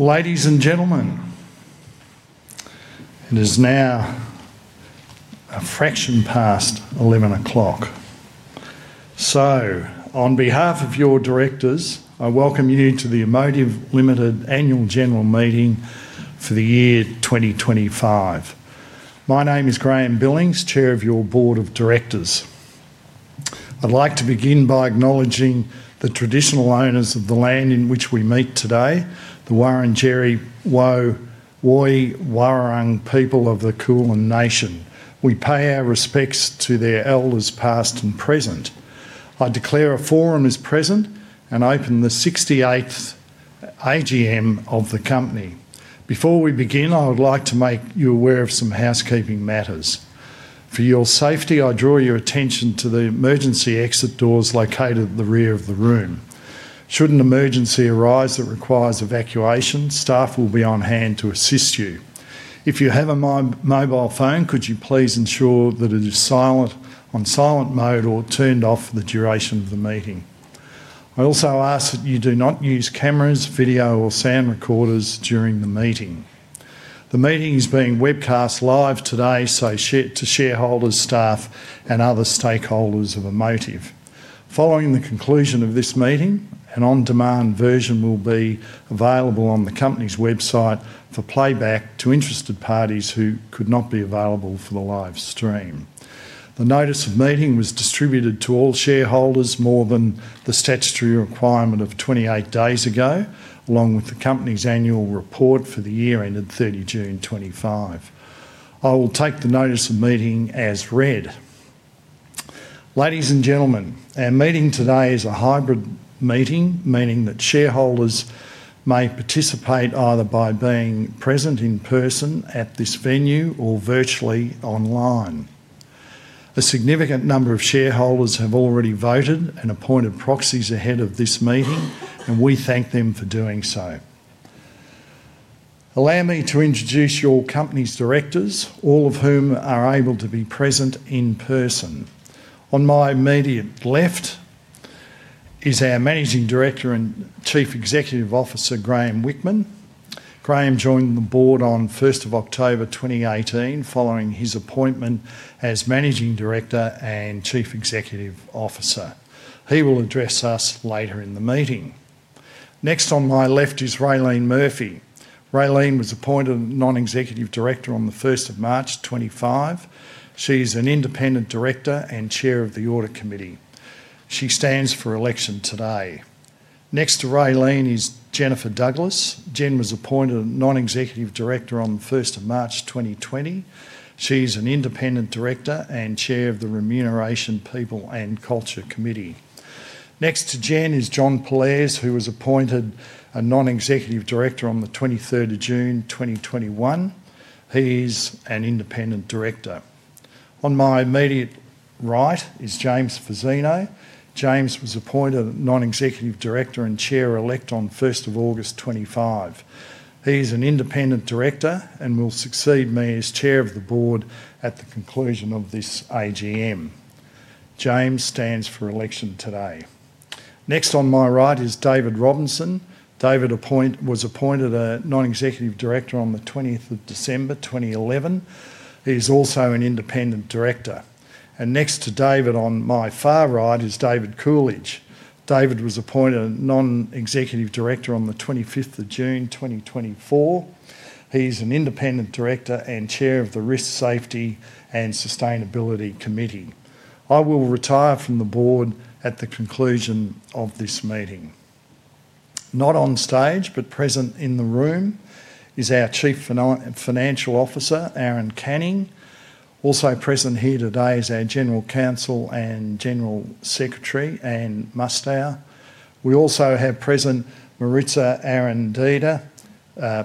Ladies and gentlemen, it is now a fraction past 11:00 A.M. On behalf of your directors, I welcome you to the Amotiv Limited Annual General Meeting for the year 2025. My name is Graeme Billings, Chair of your Board of Directors. I'd like to begin by acknowledging the traditional owners of the land on which we meet today, the Wurrungjeri Woi Wurrung people of the Kulin Nation. We pay our respects to their elders past and present. I declare a quorum is present and open the 68th AGM of the company. Before we begin, I would like to make you aware of some housekeeping matters. For your safety, I draw your attention to the emergency exit doors located at the rear of the room. Should an emergency arise that requires evacuation, staff will be on hand to assist you. If you have a mobile phone, could you please ensure that it is on silent mode or turned off for the duration of the meeting? I also ask that you do not use cameras, video, or sound recorders during the meeting. The meeting is being webcast live today, so shareholders, staff, and other stakeholders of Amotiv. Following the conclusion of this meeting, an on-demand version will be available on the company's website for playback to interested parties who could not be available for the live stream. The notice of meeting was distributed to all shareholders more than the statutory requirement of 28 days ago, along with the company's annual report for the year ended 30 June 2025. I will take the notice of meeting as read. Ladies and gentlemen, our meeting today is a hybrid meeting, meaning that shareholders may participate either by being present in person at this venue or virtually online. A significant number of shareholders have already voted and appointed proxies ahead of this meeting, and we thank them for doing so. Allow me to introduce your company's directors, all of whom are able to be present in person. On my immediate left is our Managing Director and Chief Executive Officer, Graeme Whickman. Graeme joined the board on 1st October 2018 following his appointment as Managing Director and Chief Executive Officer. He will address us later in the meeting. Next on my left is Raelene Murphy. Raelene was appointed a Non-Executive Director on 1st March 2025. She is an independent director and Chair of the Audit Committee. She stands for election today. Next to Raelene is Jennifer Douglas. Jen was appointed a Non-Executive Director on 1st March 2020. She is an independent director and Chair of the Remuneration People and Culture Committee. Next to Jen is John Pollaers, who was appointed a non-executive director on the 23rd of June 2021. He is an independent director. On my immediate right is James Fazzino. James was appointed a Non-Executive Director and Chair-elect on 1st of August 2025. He is an independent director and will succeed me as Chair of the Board at the conclusion of this AGM. James stands for election today. Next on my right is David Robinson. David was appointed a non-executive director on the 20th of December 2011. He is also an independent director. Next to David on my far right is David Coolidge. David was appointed a Non-Executive Director on the 25th of June 2024. He is an independent director and Chair of the Risk Safety and Sustainability Committee. I will retire from the Board at the conclusion of this meeting. Not on stage, but present in the room is our Chief Financial Officer, Aaron Canning. Also present here today is our General Counsel and General Secretary, Anne Mustaer. We also have present Maritza Arandita,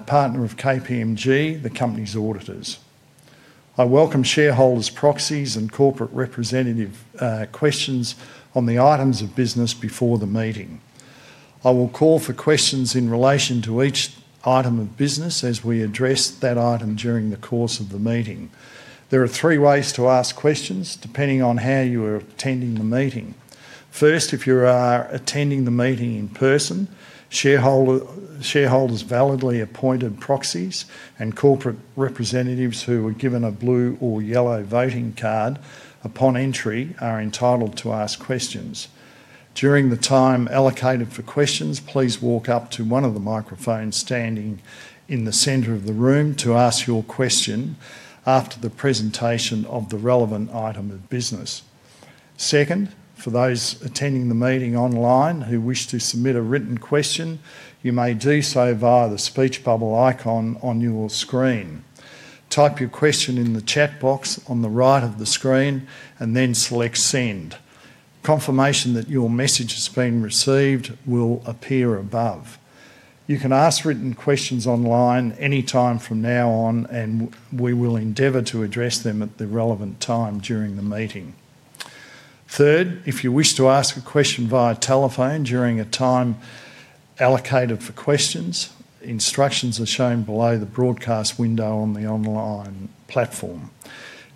partner of KPMG, the company's auditors. I welcome shareholders, proxies, and corporate representative questions on the items of business before the meeting. I will call for questions in relation to each item of business as we address that item during the course of the meeting. There are three ways to ask questions depending on how you are attending the meeting. First, if you are attending the meeting in person, shareholders, validly appointed proxies, and corporate representatives who were given a blue or yellow voting card upon entry are entitled to ask questions. During the time allocated for questions, please walk up to one of the microphones standing in the center of the room to ask your question after the presentation of the relevant item of business. Second, for those attending the meeting online who wish to submit a written question, you may do so via the speech bubble icon on your screen. Type your question in the chat box on the right of the screen and then select send. Confirmation that your message has been received will appear above. You can ask written questions online anytime from now on, and we will endeavor to address them at the relevant time during the meeting. Third, if you wish to ask a question via telephone during a time allocated for questions, instructions are shown below the broadcast window on the online platform.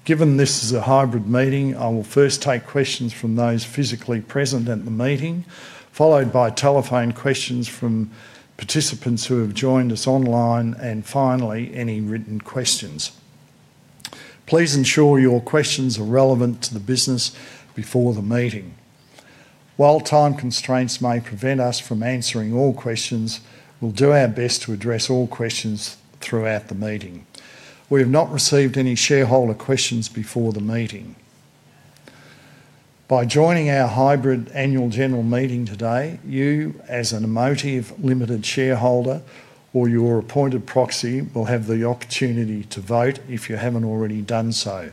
Given this is a hybrid meeting, I will first take questions from those physically present at the meeting, followed by telephone questions from participants who have joined us online, and finally, any written questions. Please ensure your questions are relevant to the business before the meeting. While time constraints may prevent us from answering all questions, we'll do our best to address all questions throughout the meeting. We have not received any shareholder questions before the meeting. By joining our hybrid annual general meeting today, you, as an Amotiv Limited shareholder or your appointed proxy, will have the opportunity to vote if you haven't already done so.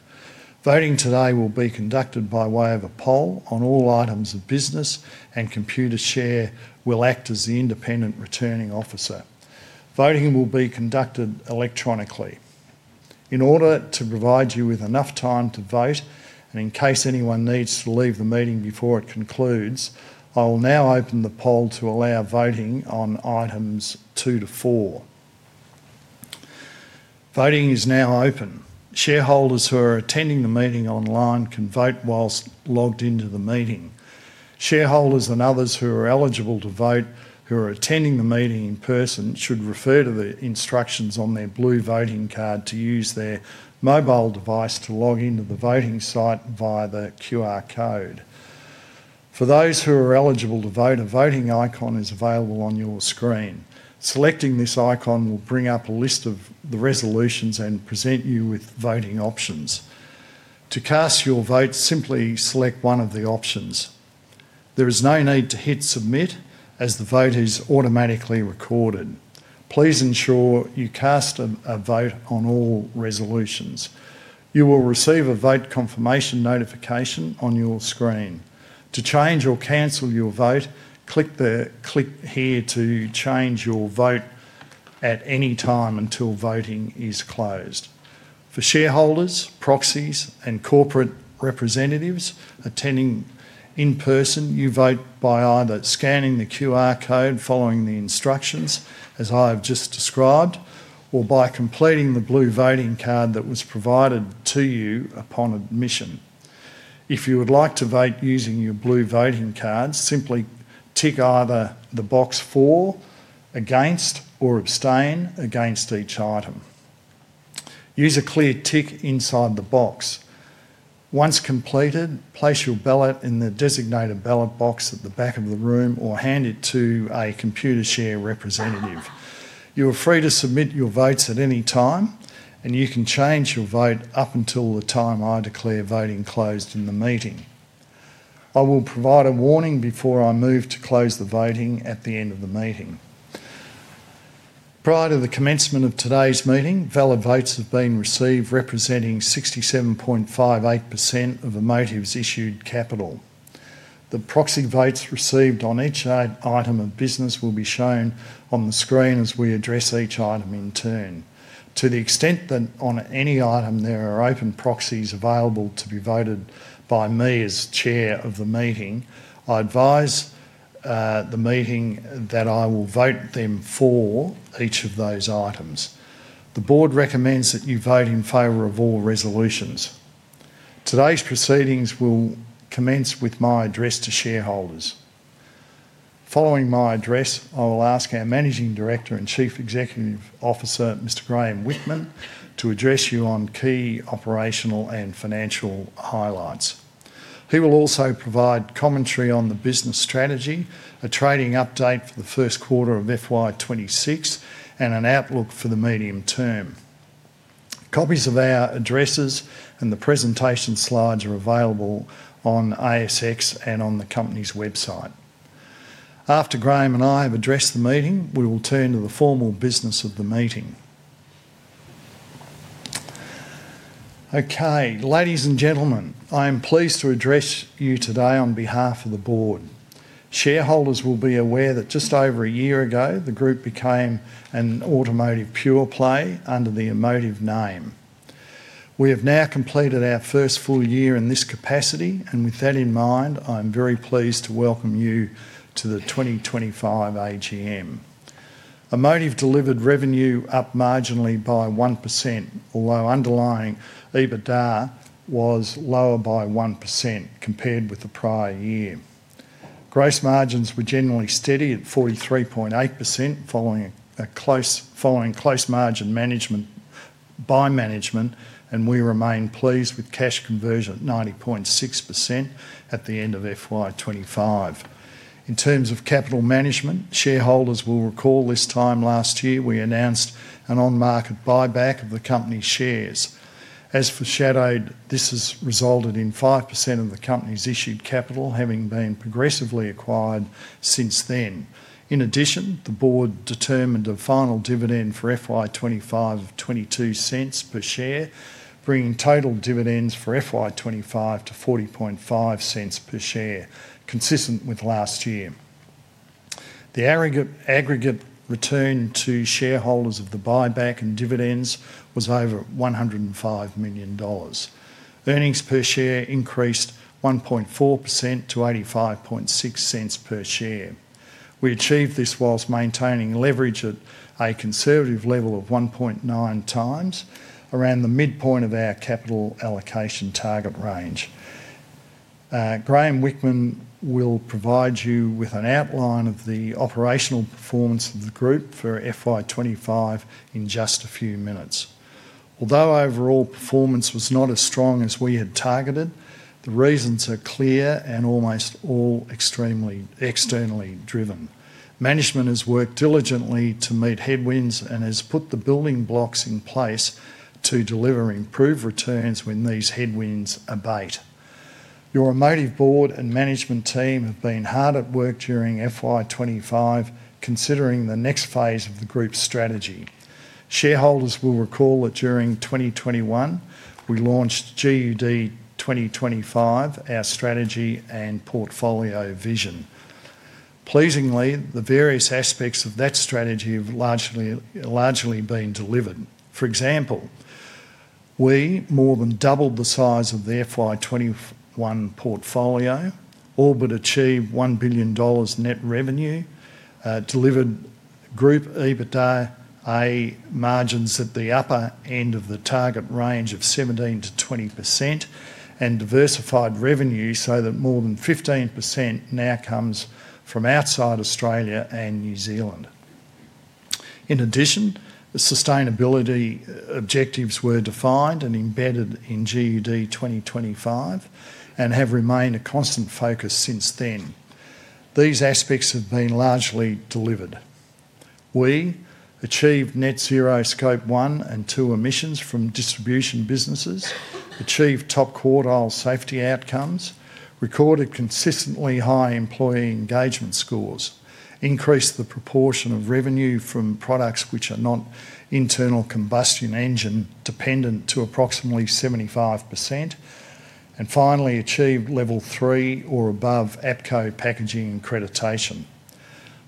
Voting today will be conducted by way of a poll on all items of business, and Computershare will act as the independent returning officer. Voting will be conducted electronically. In order to provide you with enough time to vote, and in case anyone needs to leave the meeting before it concludes, I will now open the poll to allow voting on items two to four. Voting is now open. Shareholders who are attending the meeting online can vote whilst logged into the meeting. Shareholders and others who are eligible to vote, who are attending the meeting in person, should refer to the instructions on their blue voting card to use their mobile device to log into the voting site via the QR code. For those who are eligible to vote, a voting icon is available on your screen. Selecting this icon will bring up a list of the resolutions and present you with voting options. To cast your vote, simply select one of the options. There is no need to hit submit as the vote is automatically recorded. Please ensure you cast a vote on all resolutions. You will receive a vote confirmation notification on your screen. To change or cancel your vote, click here to change your vote at any time until voting is closed. For shareholders, proxies, and corporate representatives attending in person, you vote by either scanning the QR code following the instructions as I have just described, or by completing the blue voting card that was provided to you upon admission. If you would like to vote using your blue voting cards, simply tick either the box for, against, or abstain against each item. Use a clear tick inside the box. Once completed, place your ballot in the designated ballot box at the back of the room or hand it to a Computershare representative. You are free to submit your votes at any time, and you can change your vote up until the time I declare voting closed in the meeting. I will provide a warning before I move to close the voting at the end of the meeting. Prior to the commencement of today's meeting, valid votes have been received, representing 67.58% of Amotiv's issued capital. The proxy votes received on each item of business will be shown on the screen as we address each item in turn. To the extent that on any item there are open proxies available to be voted by me as Chair of the meeting, I advise the meeting that I will vote them for each of those items. The Board recommends that you vote in favor of all resolutions. Today's proceedings will commence with my address to shareholders. Following my address, I will ask our Managing Director and Chief Executive Officer, Mr. Graeme Whickman, to address you on key operational and financial highlights. He will also provide commentary on the business strategy, a trading update for the first quarter of FY 2026, and an outlook for the medium term. Copies of our addresses and the presentation slides are available on ASX and on the company's website. After Graeme and I have addressed the meeting, we will turn to the formal business of the meeting. Okay, ladies and gentlemen, I am pleased to address you today on behalf of the Board. Shareholders will be aware that just over a year ago, the group became an Amotiv Pure Play under the Amotiv name. We have now completed our first full year in this capacity, and with that in mind, I am very pleased to welcome you to the 2025 AGM. Amotiv delivered revenue up marginally by 1%, although underlying EBITDA was lower by 1% compared with the prior year. Gross margins were generally steady at 43.8% following close margin management by management, and we remain pleased with cash conversion at 90.6% at the end of FY 2025. In terms of capital management, shareholders will recall this time last year we announced an on-market buyback of the company's shares. As foreshadowed, this has resulted in 5% of the company's issued capital having been progressively acquired since then. In addition, the Board determined a final dividend for FY 2025 of $0.22 per share, bringing total dividends for FY 2025 to $0.405 per share, consistent with last year. The aggregate return to shareholders of the buyback and dividends was over $105 million. Earnings per share increased 1.4% to $0.856 per share. We achieved this whilst maintaining leverage at a conservative level of 1.9x, around the midpoint of our capital allocation target range. Graeme Whickman will provide you with an outline of the operational performance of the group for FY 2025 in just a few minutes. Although overall performance was not as strong as we had targeted, the reasons are clear and almost all externally driven. Management has worked diligently to meet headwinds and has put the building blocks in place to deliver improved returns when these headwinds abate. Your Amotiv board and management team have been hard at work during FY 2025, considering the next phase of the group's strategy. Shareholders will recall that during 2021, we launched GUD 2025, our strategy and portfolio vision. Pleasingly, the various aspects of that strategy have largely been delivered. For example, we more than doubled the size of the FY 2021 portfolio, all but achieved $1 billion net revenue, delivered group EBITDA margins at the upper end of the target range of 17%-20%, and diversified revenue so that more than 15% now comes from outside Australia and New Zealand. In addition, the sustainability objectives were defined and embedded in GUD 2025 and have remained a constant focus since then. These aspects have been largely delivered. We achieved net zero scope 1 and 2 emissions from distribution businesses, achieved top quartile safety outcomes, recorded consistently high employee engagement scores, increased the proportion of revenue from products which are not internal combustion engine dependent to approximately 75%, and finally achieved level 3 or above APCO packaging and accreditation.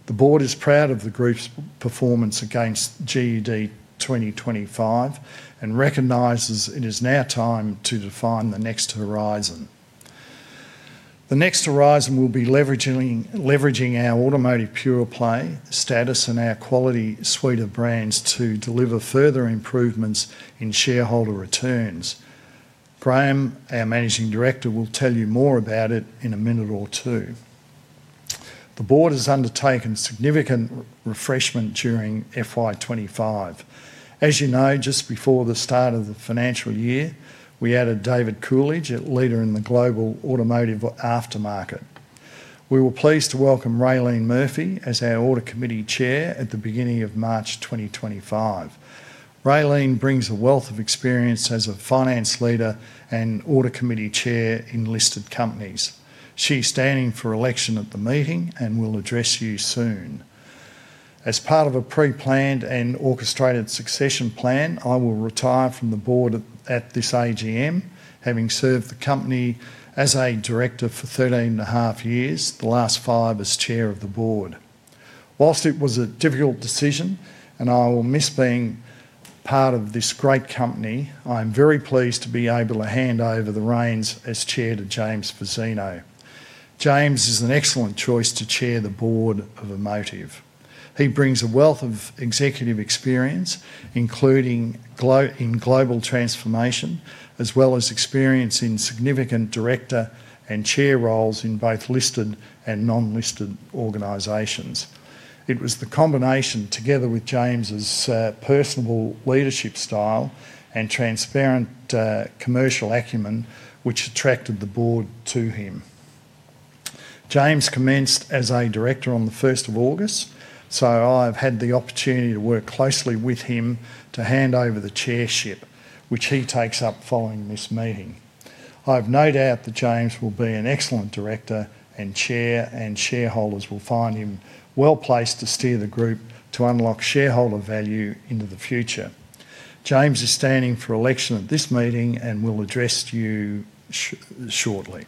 The board is proud of the group's performance against GUD 2025 and recognizes it is now time to define the next horizon. The next horizon will be leveraging our Amotiv Pure Play status and our quality suite of brands to deliver further improvements in shareholder returns. Graeme, our Managing Director, will tell you more about it in a minute or two. The board has undertaken significant refreshment during FY 2025. As you know, just before the start of the financial year, we added David Coolidge, a leader in the global automotive aftermarket. We were pleased to welcome Raelene Murphy as our Audit Committee Chair at the beginning of March 2025. Raelene brings a wealth of experience as a finance leader and Audit Committee Chair in listed companies. She's standing for election at the meeting and will address you soon. As part of a pre-planned and orchestrated succession plan, I will retire from the board at this AGM, having served the company as a director for 13.5 years, the last five as Chair of the Board. Whilst it was a difficult decision, and I will miss being part of this great company, I am very pleased to be able to hand over the reins as Chair to James Fazzino. James is an excellent choice to chair the Board of Amotiv. He brings a wealth of executive experience, including in global transformation, as well as experience in significant director and chair roles in both listed and non-listed organizations. It was the combination, together with James's personable leadership style and transparent commercial acumen, which attracted the board to him. James commenced as a director on 1st August, so I've had the opportunity to work closely with him to hand over the chairship, which he takes up following this meeting. I have no doubt that James will be an excellent director and Chair, and shareholders will find him well placed to steer the group to unlock shareholder value into the future. James is standing for election at this meeting and will address you shortly.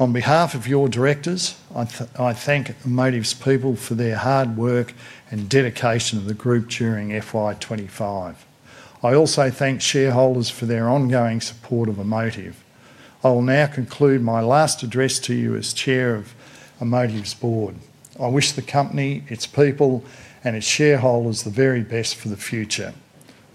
On behalf of your directors, I thank Amotiv's people for their hard work and dedication of the group during FY 2025. I also thank shareholders for their ongoing support of Amotiv. I will now conclude my last address to you as Chair of Amotiv's Board. I wish the company, its people, and its shareholders the very best for the future.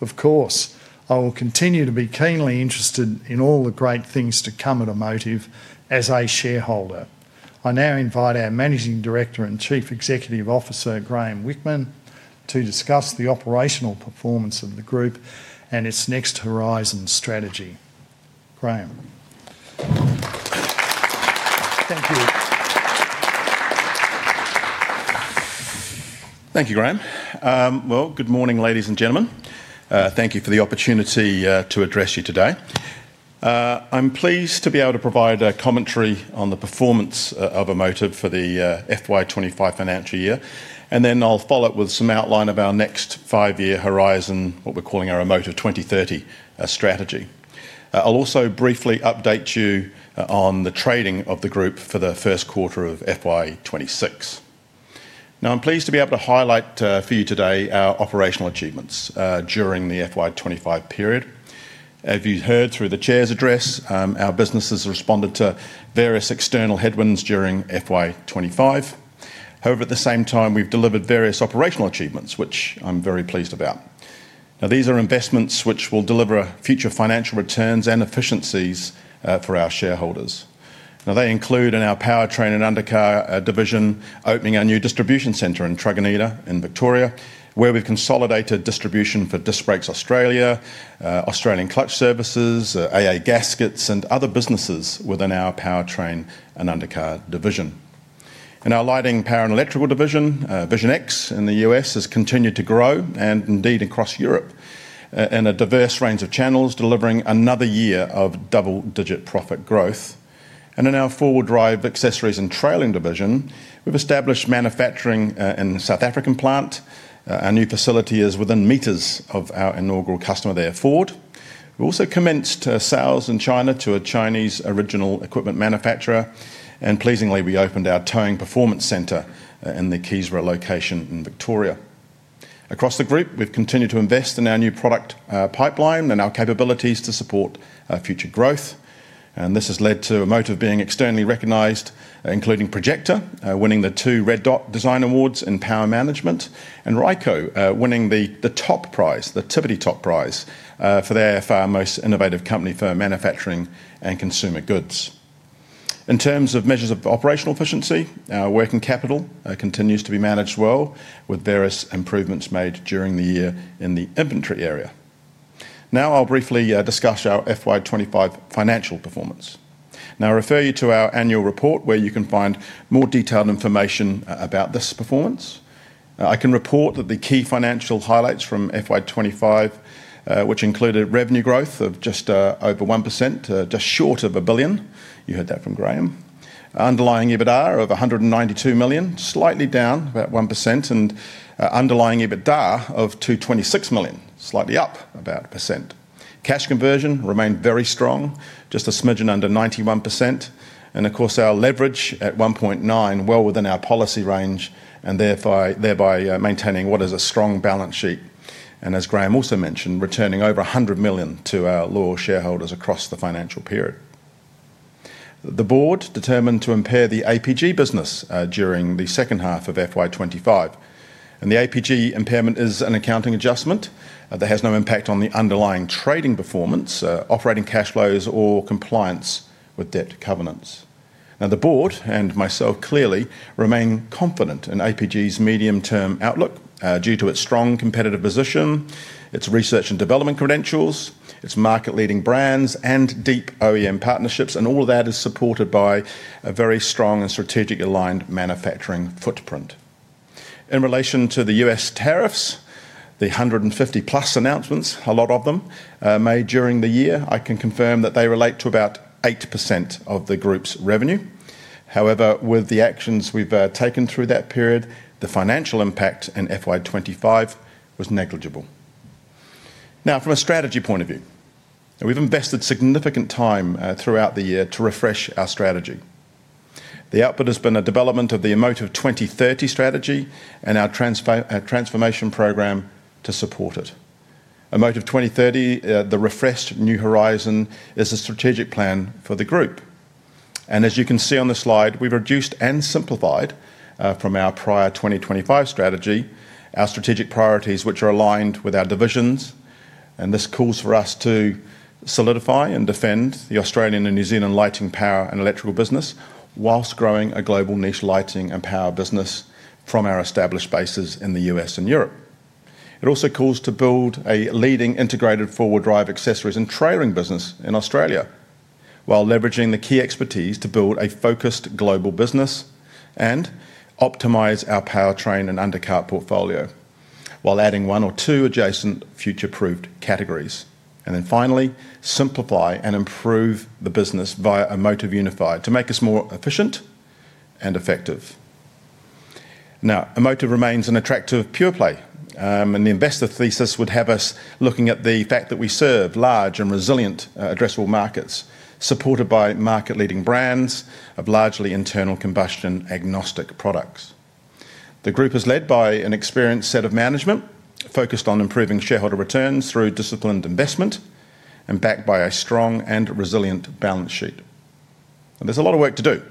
Of course, I will continue to be keenly interested in all the great things to come at Amotiv as a shareholder. I now invite our Managing Director and Chief Executive Officer, Graeme Whickman, to discuss the operational performance of the group and its next horizon strategy. Graeme. Thank you. Thank you, Graeme. Good morning, ladies and gentlemen. Thank you for the opportunity to address you today. I'm pleased to be able to provide a commentary on the performance of Amotiv for the FY 2025 financial year, and then I'll follow it with some outline of our next five-year horizon, what we're calling our Amotiv 2030 strategy. I'll also briefly update you on the trading of the group for the first quarter of FY 2026. I'm pleased to be able to highlight for you today our operational achievements during the FY 2025 period. As you heard through the Chair's address, our businesses responded to various external headwinds during FY 2025. However, at the same time, we've delivered various operational achievements, which I'm very pleased about. These are investments which will deliver future financial returns and efficiencies for our shareholders. They include in our Powertrain and Undercar division, opening our new distribution center in Truganina in Victoria, where we've consolidated distribution for Disc Brakes Australia, Australian Clutch Services, AA Gaskets, and other businesses within our Powertrain and Undercar division. In our Lighting, Power, and Electrical division, Vision X in the U.S. has continued to grow and indeed across Europe in a diverse range of channels, delivering another year of double-digit profit growth. In our forward drive accessories and trailing division, we've established manufacturing in the South African plant. Our new facility is within meters of our inaugural customer there, Ford. We also commenced our sales in China to a Chinese original equipment manufacturer, and, pleasingly, we opened our towing performance center in the Keysborough location in Victoria. Across the group, we've continued to invest in our new product pipeline and our capabilities to support future growth. This has led to Amotiv being externally recognized, including Projecta winning two Red Dot Design Awards in power management, and Ryco winning the Tivity Top Prize for their far most innovative company for manufacturing and consumer goods. In terms of measures of operational efficiency, our working capital continues to be managed well with various improvements made during the year in the inventory area. I'll briefly discuss our FY 2025 financial performance. I'll refer you to our annual report where you can find more detailed information about this performance. I can report that the key financial highlights from FY 2025, which included revenue growth of just over 1%, just short of a billion. You heard that from Graeme. Underlying EBITDA of $192 million, slightly down about 1%, and underlying EBITDA of $226 million, slightly up about a percent. Cash conversion remained very strong, just a smidgen under 91%, and of course, our leverage at 1.9, well within our policy range, thereby maintaining what is a strong balance sheet. As Graeme also mentioned, returning over $100 million to our loyal shareholders across the financial period. The board determined to impair the APG business during the second half of FY 2025. The APG impairment is an accounting adjustment that has no impact on the underlying trading performance, operating cash flows, or compliance with debt covenants. The board and myself clearly remain confident in APG's medium-term outlook due to its strong competitive position, its research and development credentials, its market-leading brands, and deep OEM partnerships, and all of that is supported by a very strong and strategically aligned manufacturing footprint. In relation to the U.S. tariffs, the 150+ announcements, a lot of them, made during the year, I can confirm that they relate to about 8% of the group's revenue. However, with the actions we've taken through that period, the financial impact in FY 2025 was negligible. From a strategy point of view, we've invested significant time throughout the year to refresh our strategy. The output has been a development of the Amotiv 2030 strategy and our transformation program to support it. Amotiv 2030, the refreshed new horizon, is a strategic plan for the group. As you can see on the slide, we've reduced and simplified from our prior 2025 strategy our strategic priorities, which are aligned with our divisions. This calls for us to solidify and defend the Australian and New Zealand lighting, power, and electrical business whilst growing a global niche lighting and power business from our established bases in the U.S. and Europe. It also calls to build a leading integrated forward drive accessories and trailing business in Australia while leveraging the key expertise to build a focused global business and optimize our Powertrain and undercar portfolio while adding one or two adjacent future-proofed categories. Finally, simplify and improve the business via Amotiv Unified to make us more efficient and effective. Now, Amotiv remains an attractive pure play, and the investor thesis would have us looking at the fact that we serve large and resilient addressable markets supported by market-leading brands of largely internal combustion agnostic products. The group is led by an experienced set of management focused on improving shareholder returns through disciplined investment and backed by a strong and resilient balance sheet. There's a lot of work to do,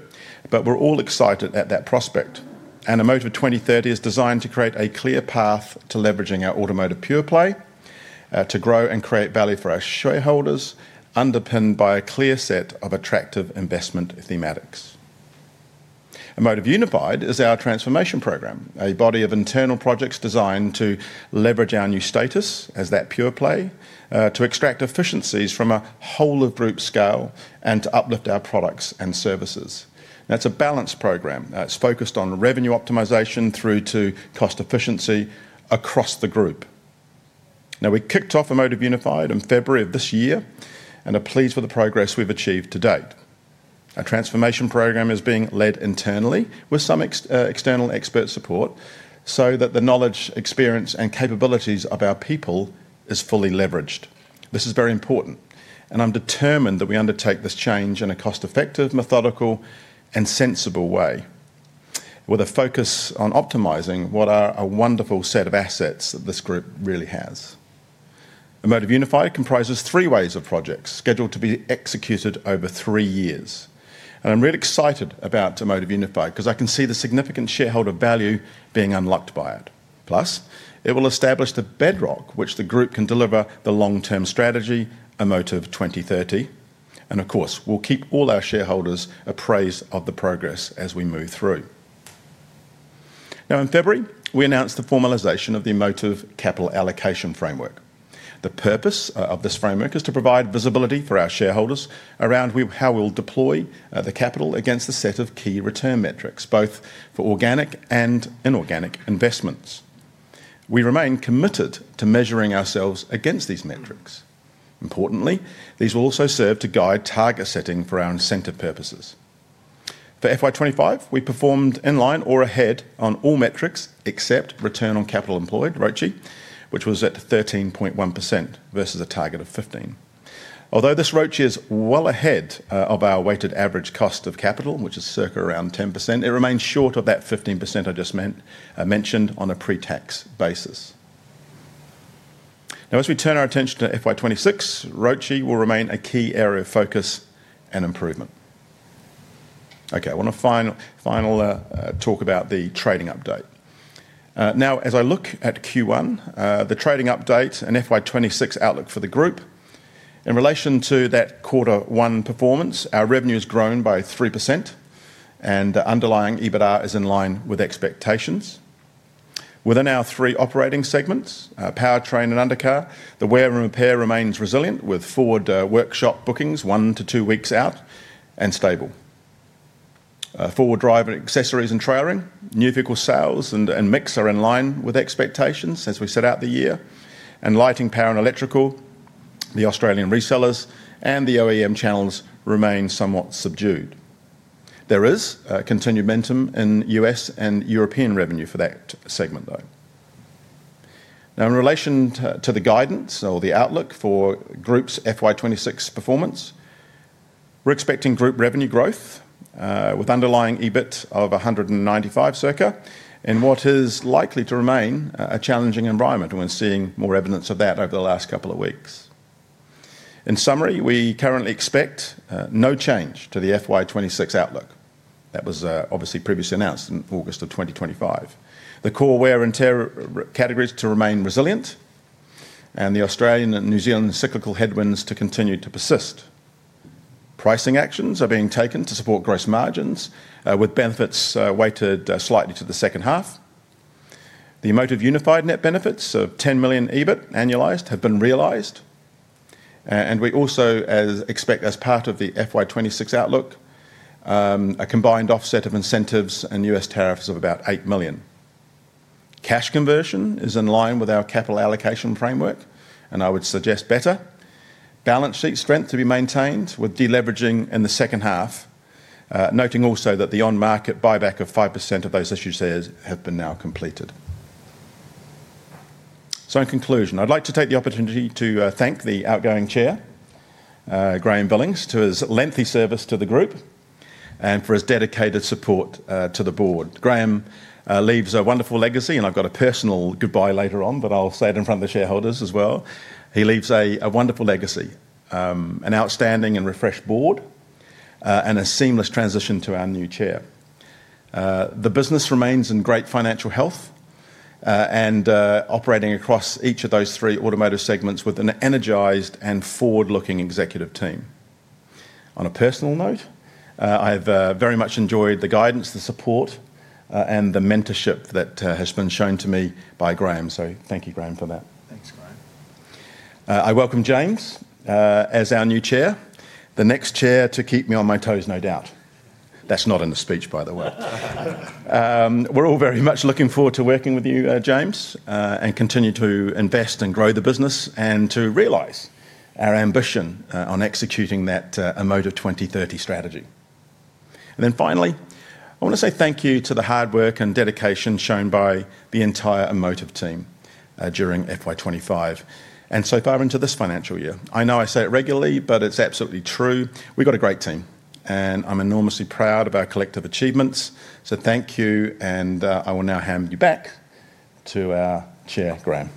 but we're all excited at that prospect, and Amotiv 2030 is designed to create a clear path to leveraging our Amotiv pure play to grow and create value for our shareholders, underpinned by a clear set of attractive investment thematics. Amotiv Unified is our transformation program, a body of internal projects designed to leverage our new status as that pure play to extract efficiencies from a whole of group scale and to uplift our products and services. That's a balanced program. It's focused on revenue optimization through to cost efficiency across the group. We kicked off Amotiv Unified in February of this year and are pleased with the progress we've achieved to date. Our transformation program is being led internally with some external expert support so that the knowledge, experience, and capabilities of our people are fully leveraged. This is very important, and I'm determined that we undertake this change in a cost-effective, methodical, and sensible way with a focus on optimizing what a wonderful set of assets that this group really has. Amotiv Unified comprises three waves of projects scheduled to be executed over three years, and I'm really excited about Amotiv Unified because I can see the significant shareholder value being unlocked by it. Plus, it will establish the bedrock which the group can deliver the long-term strategy, Amotiv 2030, and of course, we'll keep all our shareholders appraised of the progress as we move through. In February, we announced the formalization of the Amotiv capital allocation framework. The purpose of this framework is to provide visibility for our shareholders around how we'll deploy the capital against a set of key return metrics, both for organic and inorganic investments. We remain committed to measuring ourselves against these metrics. Importantly, these will also serve to guide target setting for our incentive purposes. For FY 2025, we performed in line or ahead on all metrics except return on capital employed, which was at 13.1% versus a target of 15%. Although this royalty is well ahead of our weighted average cost of capital, which is circa around 10%, it remains short of that 15% I just mentioned on a pre-tax basis. Now, as we turn our attention to FY 2026, royalty will remain a key area of focus and improvement. I want to finally talk about the trading update. Now, as I look at Q1, the trading update and FY 2026 outlook for the group, in relation to that quarter one performance, our revenue has grown by 3% and underlying EBITDA is in line with expectations. Within our three operating segments, Powertrain and undercar, the wear and repair remains resilient with Ford workshop bookings one to two weeks out and stable. Forward drive accessories and trailing, new vehicle sales and mix are in line with expectations as we set out the year, and lighting, power, and electrical, the Australian resellers, and the OEM channels remain somewhat subdued. There is continued momentum in U.S. and European revenue for that segment, though. In relation to the guidance or the outlook for group's FY 2026 performance, we're expecting group revenue growth with underlying EBIT of $195 million circa and what is likely to remain a challenging environment, and we're seeing more evidence of that over the last couple of weeks. In summary, we currently expect no change to the FY 2026 outlook. That was obviously previously announced in August of 2025. The core wear and tear categories to remain resilient and the Australian and New Zealand cyclical headwinds to continue to persist. Pricing actions are being taken to support gross margins with benefits weighted slightly to the second half. The Amotiv Unified net benefits of $10 million EBIT annualized have been realized, and we also expect, as part of the FY 2026 outlook, a combined offset of incentives and U.S. tariffs of about $8 million. Cash conversion is in line with our capital allocation framework, and I would suggest better. Balance sheet strength to be maintained with deleveraging in the second half, noting also that the on-market buyback of 5% of those issued shares has been now completed. In conclusion, I'd like to take the opportunity to thank the outgoing Chair, Graeme Billings, for his lengthy service to the group and for his dedicated support to the board. Graeme leaves a wonderful legacy, and I've got a personal goodbye later on, but I'll say it in front of the shareholders as well. He leaves a wonderful legacy, an outstanding and refreshed Board, and a seamless transition to our new Chair. The business remains in great financial health and operating across each of those three automotive segments with an energized and forward-looking executive team. On a personal note, I've very much enjoyed the guidance, the support, and the mentorship that has been shown to me by Graeme. Thank you, Graeme, for that. Thanks, Graeme. I welcome James as our new Chair, the next Chair to keep me on my toes, no doubt. That's not in the speech, by the way. We're all very much looking forward to working with you, James, and continue to invest and grow the business and to realize our ambition on executing that Amotiv 2030 strategy. Finally, I want to say thank you to the hard work and dedication shown by the entire Amotiv team during FY 2025 and so far into this financial year. I know I say it regularly, but it's absolutely true. We've got a great team, and I'm enormously proud of our collective achievements. Thank you, and I will now hand you back to our Chair, Graeme.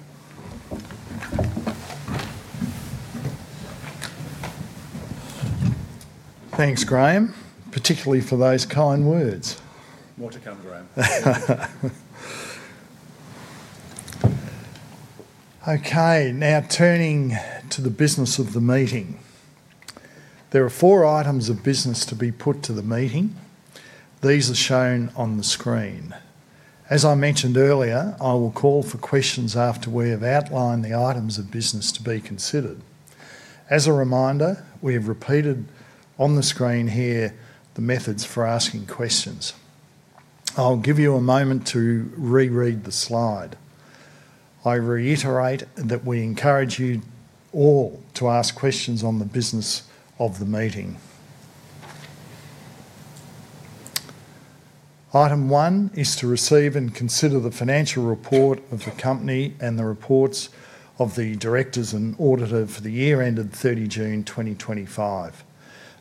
Thanks, Graeme, particularly for those kind words. More to come, Graeme. Okay, now turning to the business of the meeting. There are four items of business to be put to the meeting. These are shown on the screen. As I mentioned earlier, I will call for questions after we have outlined the items of business to be considered. As a reminder, we have repeated on the screen here the methods for asking questions. I'll give you a moment to reread the slide. I reiterate that we encourage you all to ask questions on the business of the meeting. Item one is to receive and consider the financial report of the company and the reports of the directors and auditor for the year ended 30 June 2025.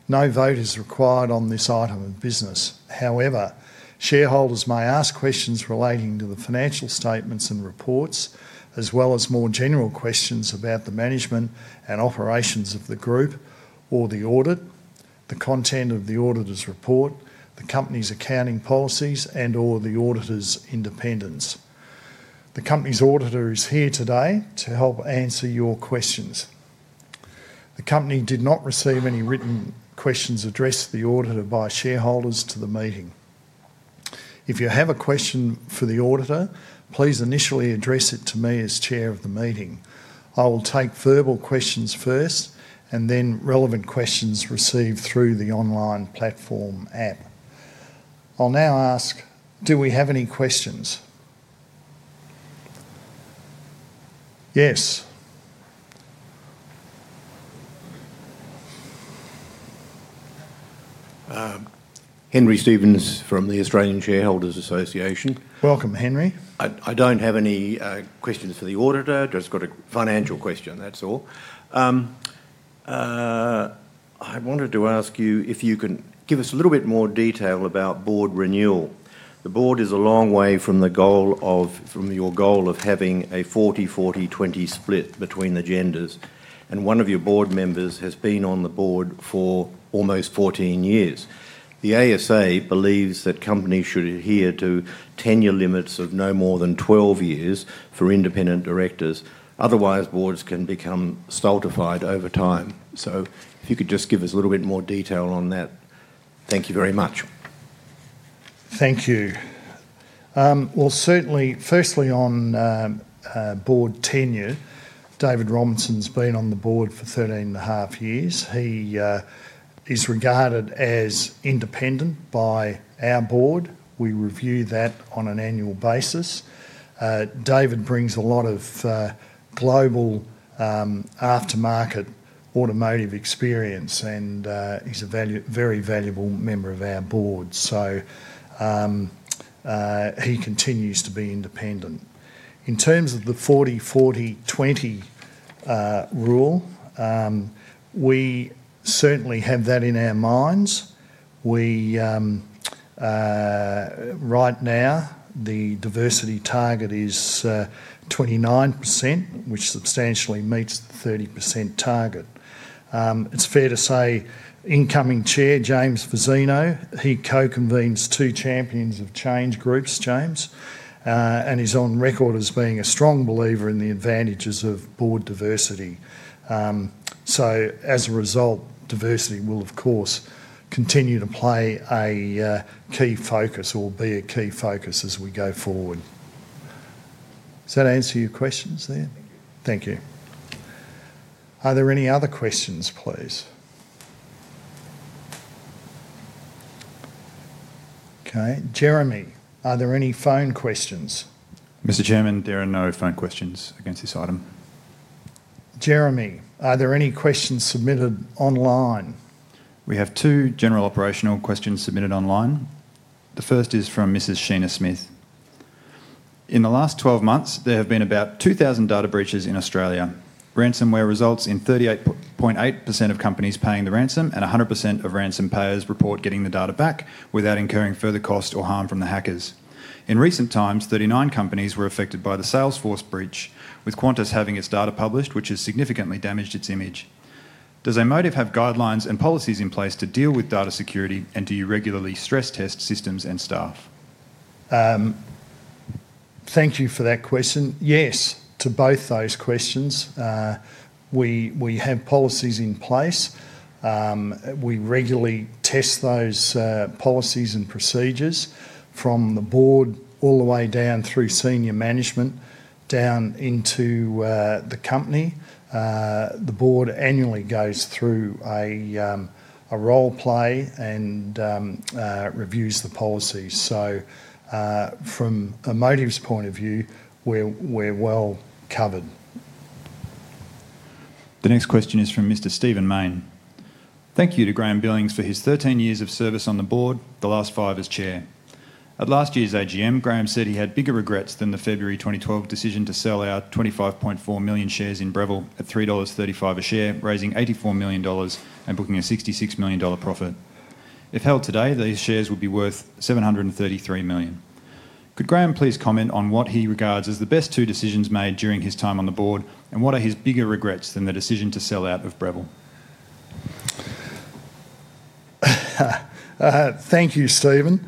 No vote is required on this item of business. However, shareholders may ask questions relating to the financial statements and reports, as well as more general questions about the management and operations of the group or the audit, the content of the auditor's report, the company's accounting policies, and/or the auditor's independence. The company's auditor is here today to help answer your questions. The company did not receive any written questions addressed to the auditor by shareholders to the meeting. If you have a question for the auditor, please initially address it to me as Chair of the meeting. I will take verbal questions first and then relevant questions received through the online platform app. I'll now ask, do we have any questions? Yes. Henry Stevens from the Australian Shareholders Association. Welcome, Henry. I don't have any questions for the auditor. Just got a financial question, that's all. I wanted to ask you if you can give us a little bit more detail about board renewal. The board is a long way from your goal of having a 40-40-20 split between the genders, and one of your board members has been on the board for almost 14 years. The ASA believes that companies should adhere to tenure limits of no more than 12 years for independent directors. Otherwise, boards can become stultified over time. If you could just give us a little bit more detail on that, thank you very much. Thank you. Firstly, on board tenure, David Robinson's been on the board for 13.5 years. He is regarded as independent by our board. We review that on an annual basis. David brings a lot of global aftermarket automotive experience and is a very valuable member of our board, so he continues to be independent. In terms of the 40-40-20 rule, we certainly have that in our minds. Right now, the diversity target is 29%, which substantially meets the 30% target. It's fair to say incoming Chair, James Fazzino, co-convenes two Champions of Change groups, and is on record as being a strong believer in the advantages of board diversity. As a result, diversity will of course continue to be a key focus as we go forward. Does that answer your questions there? Thank you. Thank you. Are there any other questions, please? Okay, Jeremy, are there any phone questions? Mr. Chairman, there are no phone questions against this item. Jeremy, are there any questions submitted online? We have two general operational questions submitted online. The first is from Mrs. Sheena Smith. In the last 12 months, there have been about 2,000 data breaches in Australia. Ransomware results in 38.8% of companies paying the ransom, and 100% of ransom payers report getting the data back without incurring further cost or harm from the hackers. In recent times, 39 companies were affected by the Salesforce breach, with Qantas having its data published, which has significantly damaged its image. Does Amotiv have guidelines and policies in place to deal with data security, and do you regularly stress test systems and staff? Thank you for that question. Yes, to both those questions, we have policies in place. We regularly test those policies and procedures from the Board all the way down through senior management, down into the company. The Board annually goes through a role play and reviews the policy. From Amotiv's point of view, we're well covered. The next question is from Mr. Stephen Main. Thank you to Graeme Billings for his 13 years of service on the board, the last five as Chair. At last year's AGM, Graeme said he had bigger regrets than the February 2012 decision to sell out 25.4 million shares in Breville at $3.35 a share, raising $84 million and booking a $66 million profit. If held today, these shares would be worth $733 million. Could Graeme please comment on what he regards as the best two decisions made during his time on the board, and what are his bigger regrets than the decision to sell out of Breville? Thank you, Stephen.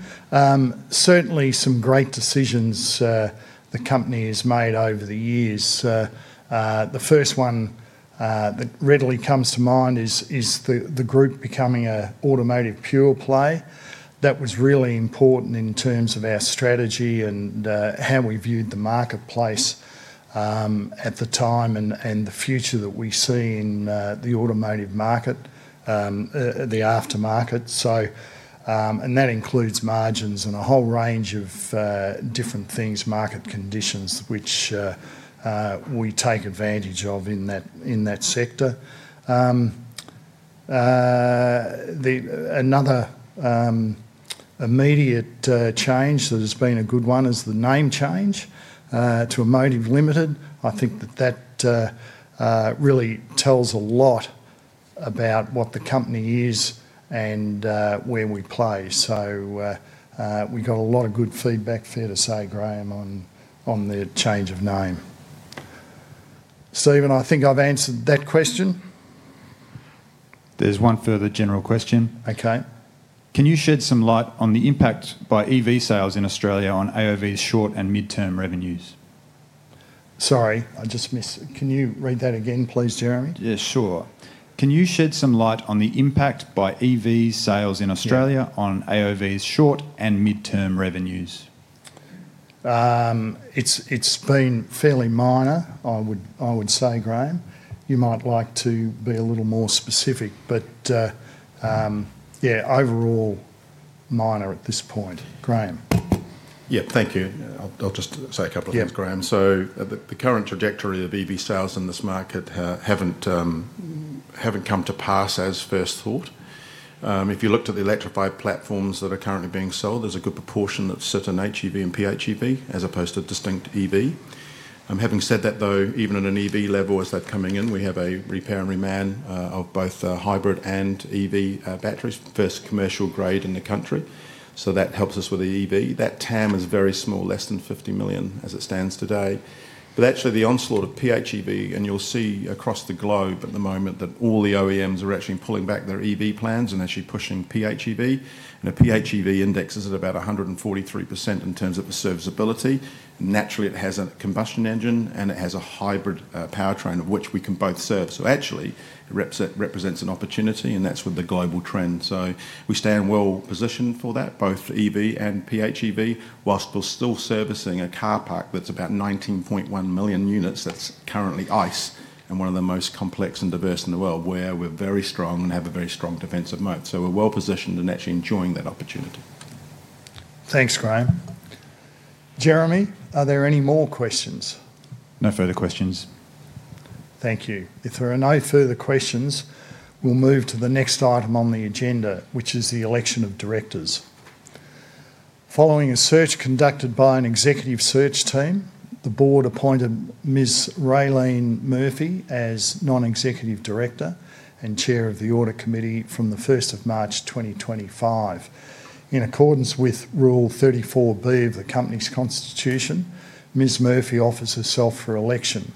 Certainly, some great decisions the company has made over the years. The first one that readily comes to mind is the group becoming an Amotiv Pure Play. That was really important in terms of our strategy and how we viewed the marketplace at the time and the future that we see in the automotive market, the aftermarket. That includes margins and a whole range of different things, market conditions, which we take advantage of in that sector. Another immediate change that has been a good one is the name change to Amotiv Limited. I think that that really tells a lot about what the company is and where we play. We got a lot of good feedback, fair to say, Graeme, on the change of name. Stephen, I think I've answered that question. There's one further general question. Okay. Can you shed some light on the impact by EV sales in Australia on Amotiv's short and mid-term revenues? Sorry, I just missed it. Can you read that again, please, Jeremy? Yeah, sure. Can you shed some light on the impact by EV sales in Australia on Amotiv's short and mid-term revenues? It's been fairly minor, I would say, Graeme. You might like to be a little more specific, but yeah, overall minor at this point, Graeme. Yeah, thank you. I'll just say a couple of things, Graeme. The current trajectory of EV sales in this market hasn't come to pass as first thought. If you looked at the electrified platforms that are currently being sold, there's a good proportion that sit in HEV and PHEV as opposed to distinct EV. Having said that, though, even at an EV level, as they're coming in, we have a repair and reman of both hybrid and EV batteries, first commercial grade in the country. That helps us with the EV. That TAM is very small, less than $50 million as it stands today. Actually, the onslaught of PHEV, and you'll see across the globe at the moment that all the OEMs are actually pulling back their EV plans and actually pushing PHEV. A PHEV index is at about 143% in terms of the serviceability. Naturally, it has a combustion engine and it has a hybrid powertrain of which we can both serve. It represents an opportunity and that's with the global trend. We stand well positioned for that, both EV and PHEV, whilst we're still servicing a car park that's about 19.1 million units. That's currently ICE and one of the most complex and diverse in the world where we're very strong and have a very strong defensive moat. We're well positioned and actually enjoying that opportunity. Thanks, Graeme. Jeremy, are there any more questions? No further questions. Thank you. If there are no further questions, we'll move to the next item on the agenda, which is the election of directors. Following a search conducted by an executive search team, the Board appointed Ms. Raelene Murphy as Non-Executive Director and Chair of the Audit Committee from the 1st of March 2025. In accordance with rule 34B of the company's constitution, Ms. Murphy offers herself for election.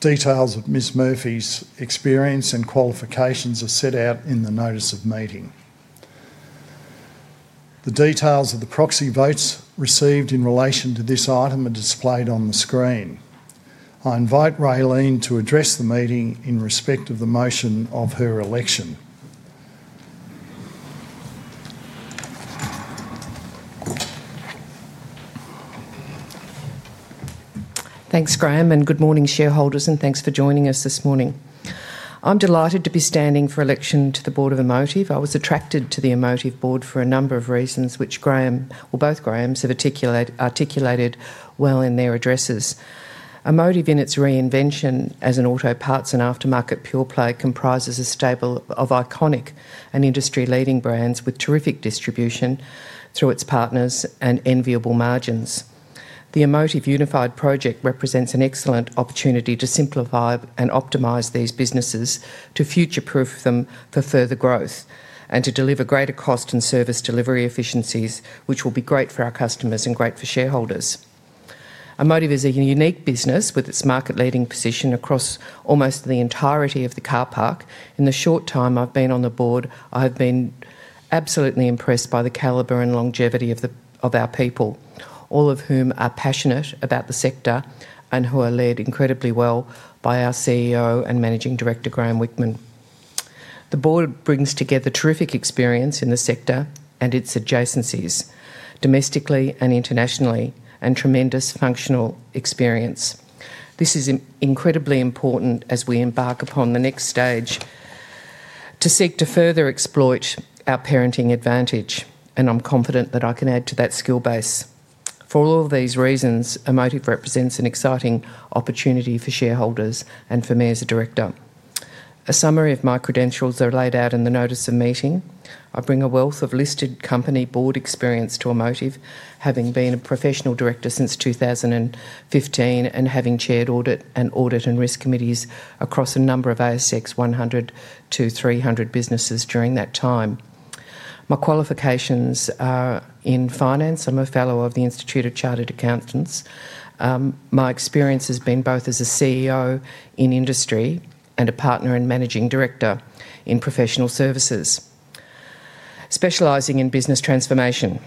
Details of Ms. Murphy's experience and qualifications are set out in the notice of meeting. The details of the proxy votes received in relation to this item are displayed on the screen. I invite Raelene to address the meeting in respect of the motion of her election. Thanks, Graeme, and good morning, shareholders, and thanks for joining us this morning. I'm delighted to be standing for election to the board of Amotiv. I was attracted to the Amotiv board for a number of reasons, which Graeme, or both Graemes, have articulated well in their addresses. Amotiv, in its reinvention as an auto parts and aftermarket pure play, comprises a stable of iconic and industry-leading brands with terrific distribution through its partners and enviable margins. The Amotiv Unified transformation program represents an excellent opportunity to simplify and optimize these businesses to future-proof them for further growth and to deliver greater cost and service delivery efficiencies, which will be great for our customers and great for shareholders. Amotiv is a unique business with its market-leading position across almost the entirety of the car park. In the short time I've been on the board, I have been absolutely impressed by the caliber and longevity of our people, all of whom are passionate about the sector and who are led incredibly well by our CEO and Managing Director, Graeme Whickman. The board brings together terrific experience in the sector and its adjacencies, domestically and internationally, and tremendous functional experience. This is incredibly important as we embark upon the next stage to seek to further exploit our parenting advantage, and I'm confident that I can add to that skill base. For all of these reasons, Amotiv represents an exciting opportunity for shareholders and for me as a director. A summary of my credentials are laid out in the notice of meeting. I bring a wealth of listed company board experience to Amotiv, having been a professional director since 2015 and having chaired audit and audit and risk committees across a number of ASX 100 to 300 businesses during that time. My qualifications are in finance. I'm a fellow of the Institute of Chartered Accountants. My experience has been both as a CEO in industry and a partner and Managing Director in professional services, specializing in business transformation,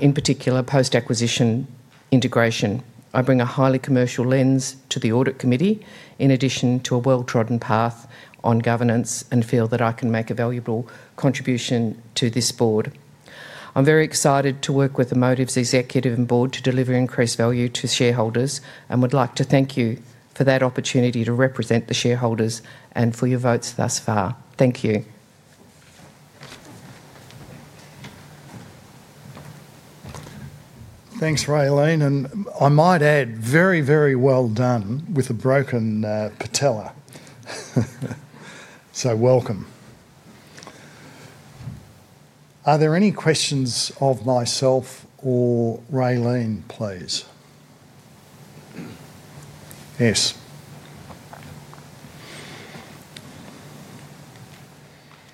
in particular post-acquisition integration. I bring a highly commercial lens to the audit committee, in addition to a well-trodden path on governance and feel that I can make a valuable contribution to this board. I'm very excited to work with Amotiv's executive and board to deliver increased value to shareholders and would like to thank you for that opportunity to represent the shareholders and for your votes thus far. Thank you. Thanks, Raelene, and I might add very, very well done with a broken patella. Welcome. Are there any questions of myself or Raelene, please? Yes.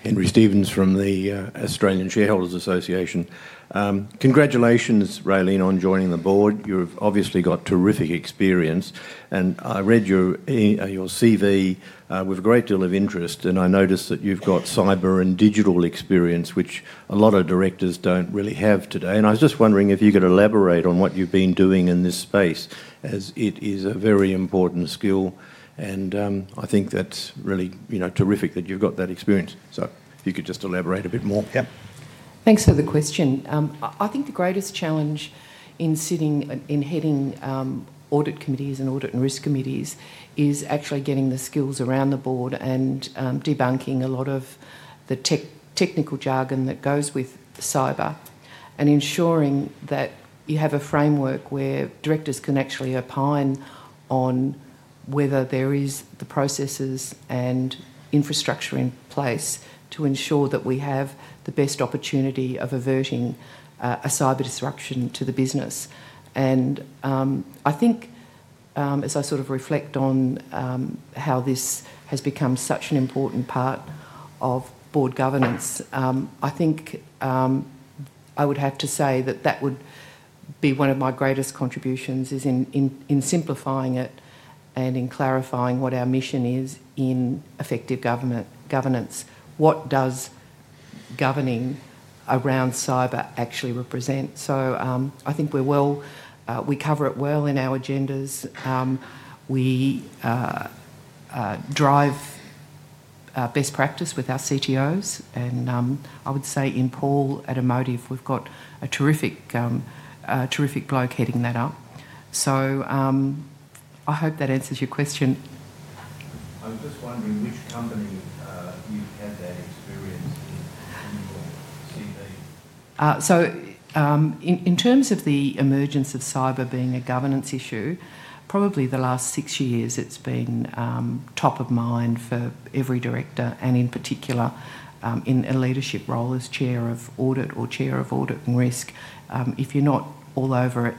Henry Stevens from the Australian Shareholders Association. Congratulations, Raelene, on joining the board. You've obviously got terrific experience, and I read your CV with a great deal of interest. I noticed that you've got cyber and digital experience, which a lot of directors don't really have today. I was just wondering if you could elaborate on what you've been doing in this space, as it is a very important skill. I think that's really terrific that you've got that experience. If you could just elaborate a bit more. Yeah, thanks for the question. I think the greatest challenge in sitting in heading audit committees and audit and risk committees is actually getting the skills around the board and debunking a lot of the technical jargon that goes with cyber and ensuring that you have a framework where directors can actually opine on whether there are the processes and infrastructure in place to ensure that we have the best opportunity of averting a cyber disruption to the business. I think, as I sort of reflect on how this has become such an important part of board governance, I think I would have to say that that would be one of my greatest contributions is in simplifying it and in clarifying what our mission is in effective governance. What does governing around cyber actually represent? I think we cover it well in our agendas. We drive best practice with our CTOs, and I would say in Amotiv, we've got a terrific bloke heading that up. I hope that answers your question. I'm just wondering which company you've had that experience in in your CV. In terms of the emergence of cyber being a governance issue, probably the last six years, it's been top of mind for every director, and in particular in a leadership role as Chair of Audit or Chair of Audit and Risk. If you're not all over it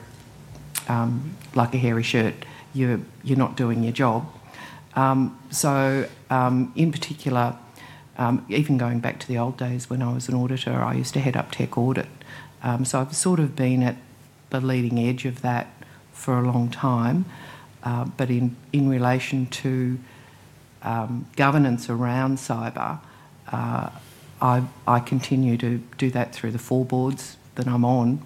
like a hairy shirt, you're not doing your job. In particular, even going back to the old days when I was an auditor, I used to head up tech audit. I've sort of been at the leading edge of that for a long time, but in relation to governance around cyber, I continue to do that through the four boards that I'm on,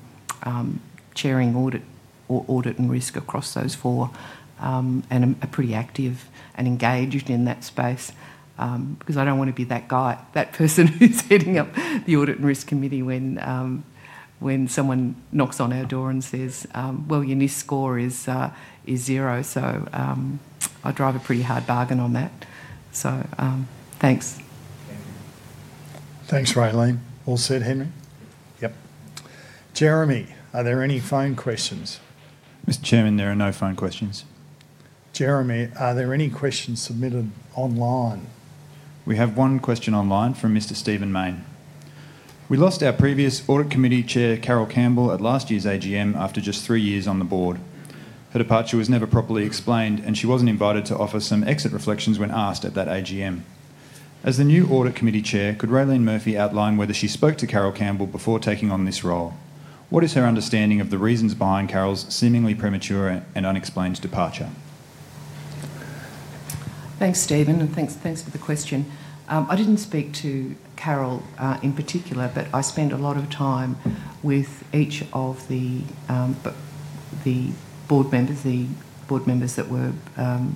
chairing audit and risk across those four, and I'm pretty active and engaged in that space because I don't want to be that guy, that person who's heading up the Audit and Risk Committee when someone knocks on our door and says, "Well, your NIST score is zero." I drive a pretty hard bargain on that. Thanks. Thanks, Raelene. All set, Henry? Yep. Jeremy, are there any phone questions? Mr. Chairman, there are no phone questions. Jeremy, are there any questions submitted online? We have one question online from Mr. Stephen Main. We lost our previous Audit Committee Chair, Carole Campbell, at last year's AGM after just three years on the board. Her departure was never properly explained, and she wasn't invited to offer some exit reflections when asked at that AGM. As the new Audit Committee Chair, could Raelene Murphy outline whether she spoke to Carole Campbell before taking on this role? What is her understanding of the reasons behind Carole's seemingly premature and unexplained departure? Thanks, Stephen, and thanks for the question. I didn't speak to Carole Campbell in particular, but I spent a lot of time with each of the board members that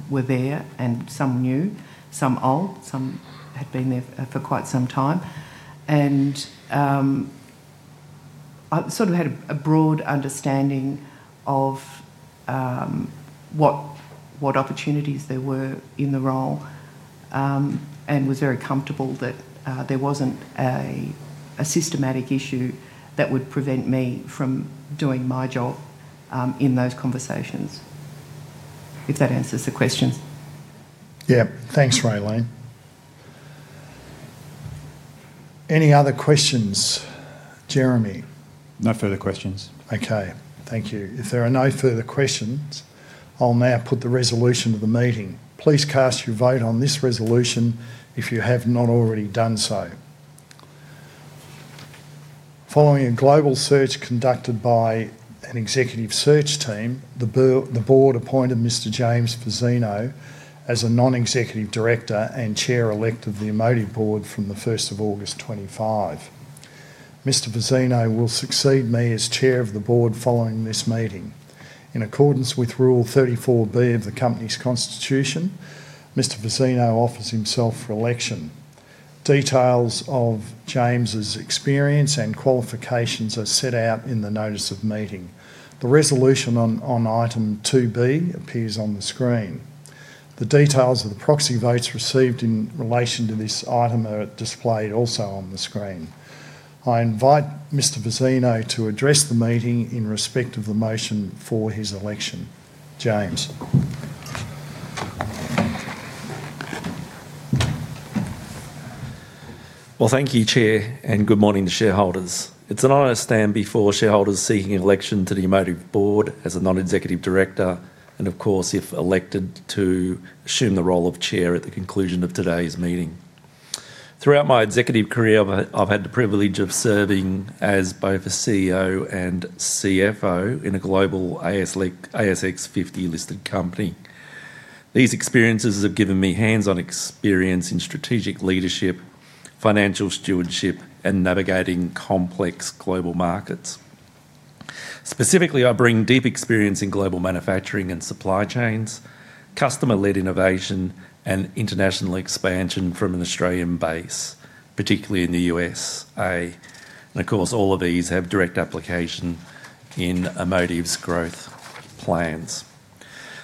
were there, some new, some old, some had been there for quite some time. I sort of had a broad understanding of what opportunities there were in the role and was very comfortable that there wasn't a systematic issue that would prevent me from doing my job in those conversations, if that answers the question. Yeah, thanks, Raelene. Any other questions, Jeremy? No further questions. Okay, thank you. If there are no further questions, I'll now put the resolution to the meeting. Please cast your vote on this resolution if you have not already done so. Following a global search conducted by an executive search team, the board appointed Mr. James Fazzino as a Non-Executive Director and Chair-Elect of the Amotiv board from 1st August 2025. Mr. Fazzino will succeed me as Chair of the board following this meeting. In accordance with rule 34B of the company's constitution, Mr. Fazzino offers himself for election. Details of James's experience and qualifications are set out in the notice of meeting. The resolution on item 2B appears on the screen. The details of the proxy votes received in relation to this item are displayed also on the screen. I invite Mr. Fazzino to address the meeting in respect of the motion for his election. James. Thank you, Chair, and good morning to shareholders. It's an honor to stand before shareholders seeking an election to the Amotiv board as a Non-Executive Director, and of course, if elected, to assume the role of Chair at the conclusion of today's meeting. Throughout my executive career, I've had the privilege of serving as both a CEO and CFO in a global ASX 50 listed company. These experiences have given me hands-on experience in strategic leadership, financial stewardship, and navigating complex global markets. Specifically, I bring deep experience in global manufacturing and supply chains, customer-led innovation, and international expansion from an Australian base, particularly in the USA. All of these have direct application in Amotiv's growth plans.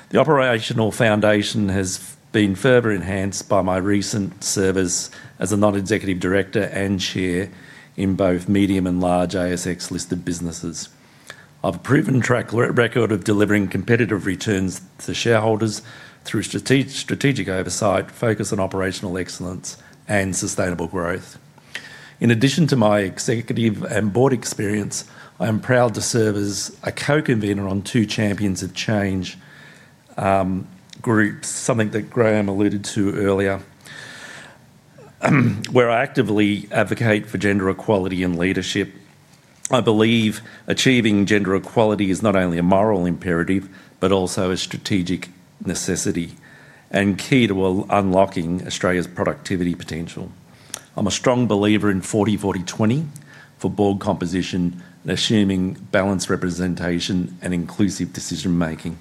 The operational foundation has been further enhanced by my recent service as a Non-Executive Director and Chair in both medium and large ASX listed businesses. I have a proven track record of delivering competitive returns to shareholders through strategic oversight, focus on operational excellence, and sustainable growth. In addition to my executive and board experience, I am proud to serve as a co-convener on two Champions of Change groups, something that Graeme alluded to earlier, where I actively advocate for gender equality and leadership. I believe achieving gender equality is not only a moral imperative but also a strategic necessity and key to unlocking Australia's productivity potential. I'm a strong believer in 40-40-20 for board composition and assuming balanced representation and inclusive decision-making.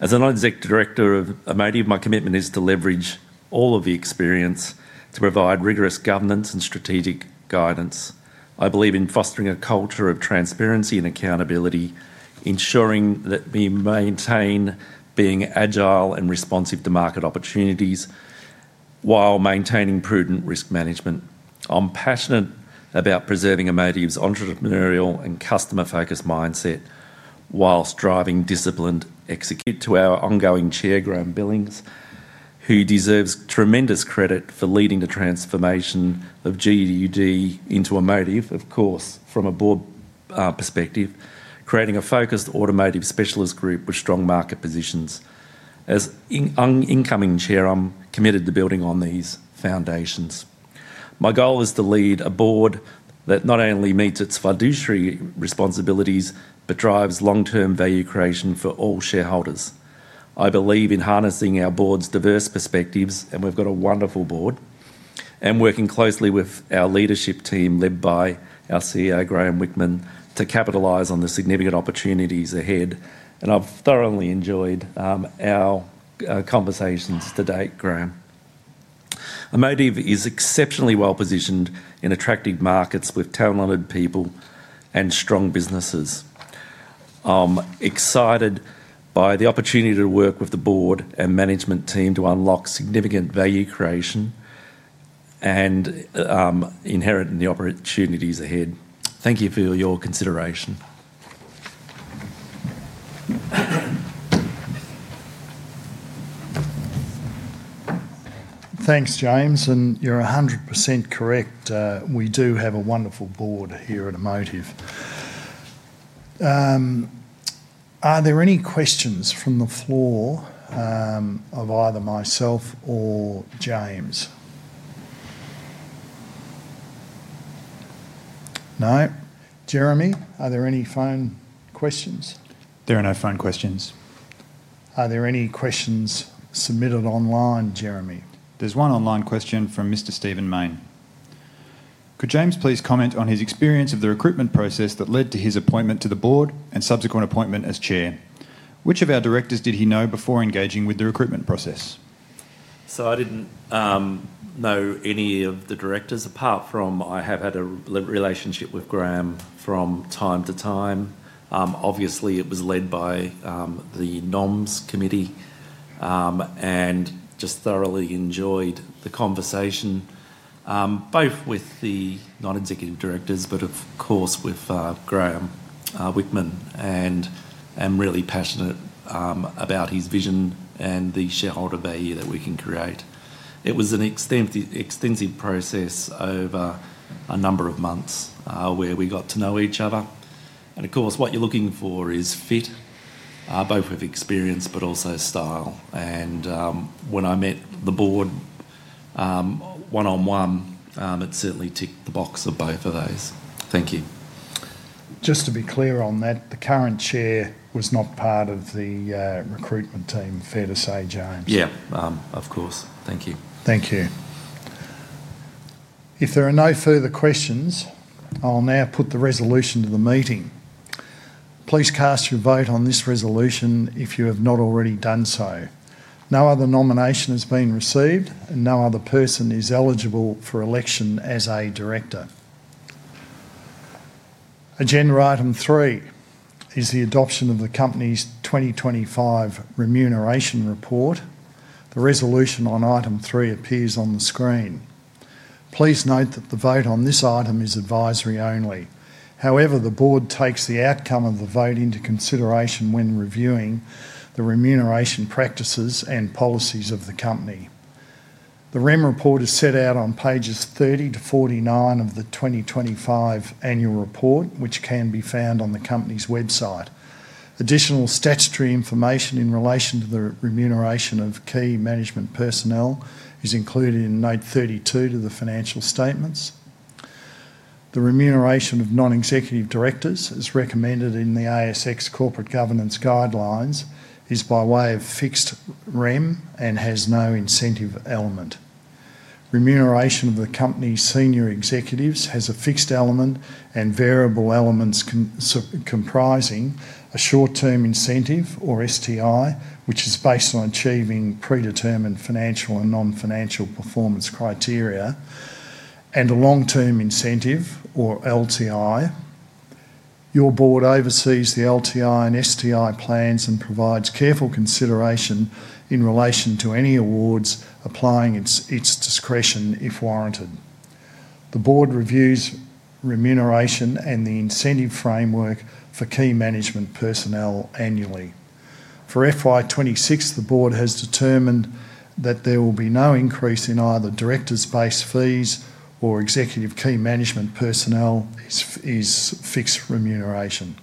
As a Non-Executive Director of Amotiv, my commitment is to leverage all of the experience to provide rigorous governance and strategic guidance. I believe in fostering a culture of transparency and accountability, ensuring that we maintain being agile and responsive to market opportunities while maintaining prudent risk management. I'm passionate about preserving Amotiv's entrepreneurial and customer-focused mindset whilst driving disciplined executive. To our ongoing Chair, Graeme Billings, who deserves tremendous credit for leading the transformation of GUD into Amotiv, from a board perspective, creating a focused automotive specialist group with strong market positions. As an incoming Chair, I'm committed to building on these foundations. My goal is to lead a board that not only meets its fiduciary responsibilities but drives long-term value creation for all shareholders. I believe in harnessing our board's diverse perspectives, and we've got a wonderful board, and working closely with our leadership team led by our CEO, Graeme Whickman, to capitalize on the significant opportunities ahead. I've thoroughly enjoyed our conversations to date, Graeme. Amotiv is exceptionally well positioned in attractive markets with talented people and strong businesses. I'm excited by the opportunity to work with the board and management team to unlock significant value creation and inherit the opportunities ahead. Thank you for your consideration. Thanks, James, and you're 100% correct. We do have a wonderful board here at Amotiv. Are there any questions from the floor of either myself or James? No, Jeremy, are there any phone questions? There are no phone questions. Are there any questions submitted online, Jeremy? There's one online question from Mr. Stephen Main. Could James please comment on his experience of the recruitment process that led to his appointment to the board and subsequent appointment as Chair? Which of our directors did he know before engaging with the recruitment process? I didn't know any of the directors apart from I have had a relationship with Graeme from time to time. It was led by the NOMs committee and I just thoroughly enjoyed the conversation both with the non-executive directors, but of course with Graeme Whickman. I'm really passionate about his vision and the shareholder value that we can create. It was an extensive process over a number of months where we got to know each other. What you're looking for is fit, both with experience but also style. When I met the board one-on-one, it certainly ticked the box of both of those. Thank you. Just to be clear on that, the current Chair was not part of the recruitment team, fair to say, James? Yeah, of course. Thank you. Thank you. If there are no further questions, I'll now put the resolution to the meeting. Please cast your vote on this resolution if you have not already done so. No other nomination has been received and no other person is eligible for election as a director. Agenda item three is the adoption of the company's 2025 remuneration report. The resolution on item three appears on the screen. Please note that the vote on this item is advisory only. However, the board takes the outcome of the vote into consideration when reviewing the remuneration practices and policies of the company. The remuneration report is set out on pages 30 to 49 of the 2025 annual report, which can be found on the company's website. Additional statutory information in relation to the remuneration of key management personnel is included in note 32 to the financial statements. The remuneration of non-executive directors, as recommended in the ASX Corporate Governance Guidelines, is by way of fixed remuneration and has no incentive element. Remuneration of the company's senior executives has a fixed element and variable elements comprising a short-term incentive, or STI, which is based on achieving predetermined financial and non-financial performance criteria, and a long-term incentive, or LTI. Your board oversees the LTI and STI plans and provides careful consideration in relation to any awards applying at its discretion if warranted. The board reviews remuneration and the incentive framework for key management personnel annually. For FY 2026, the board has determined that there will be no increase in either directors-based fees or executive key management personnel; it is fixed remuneration.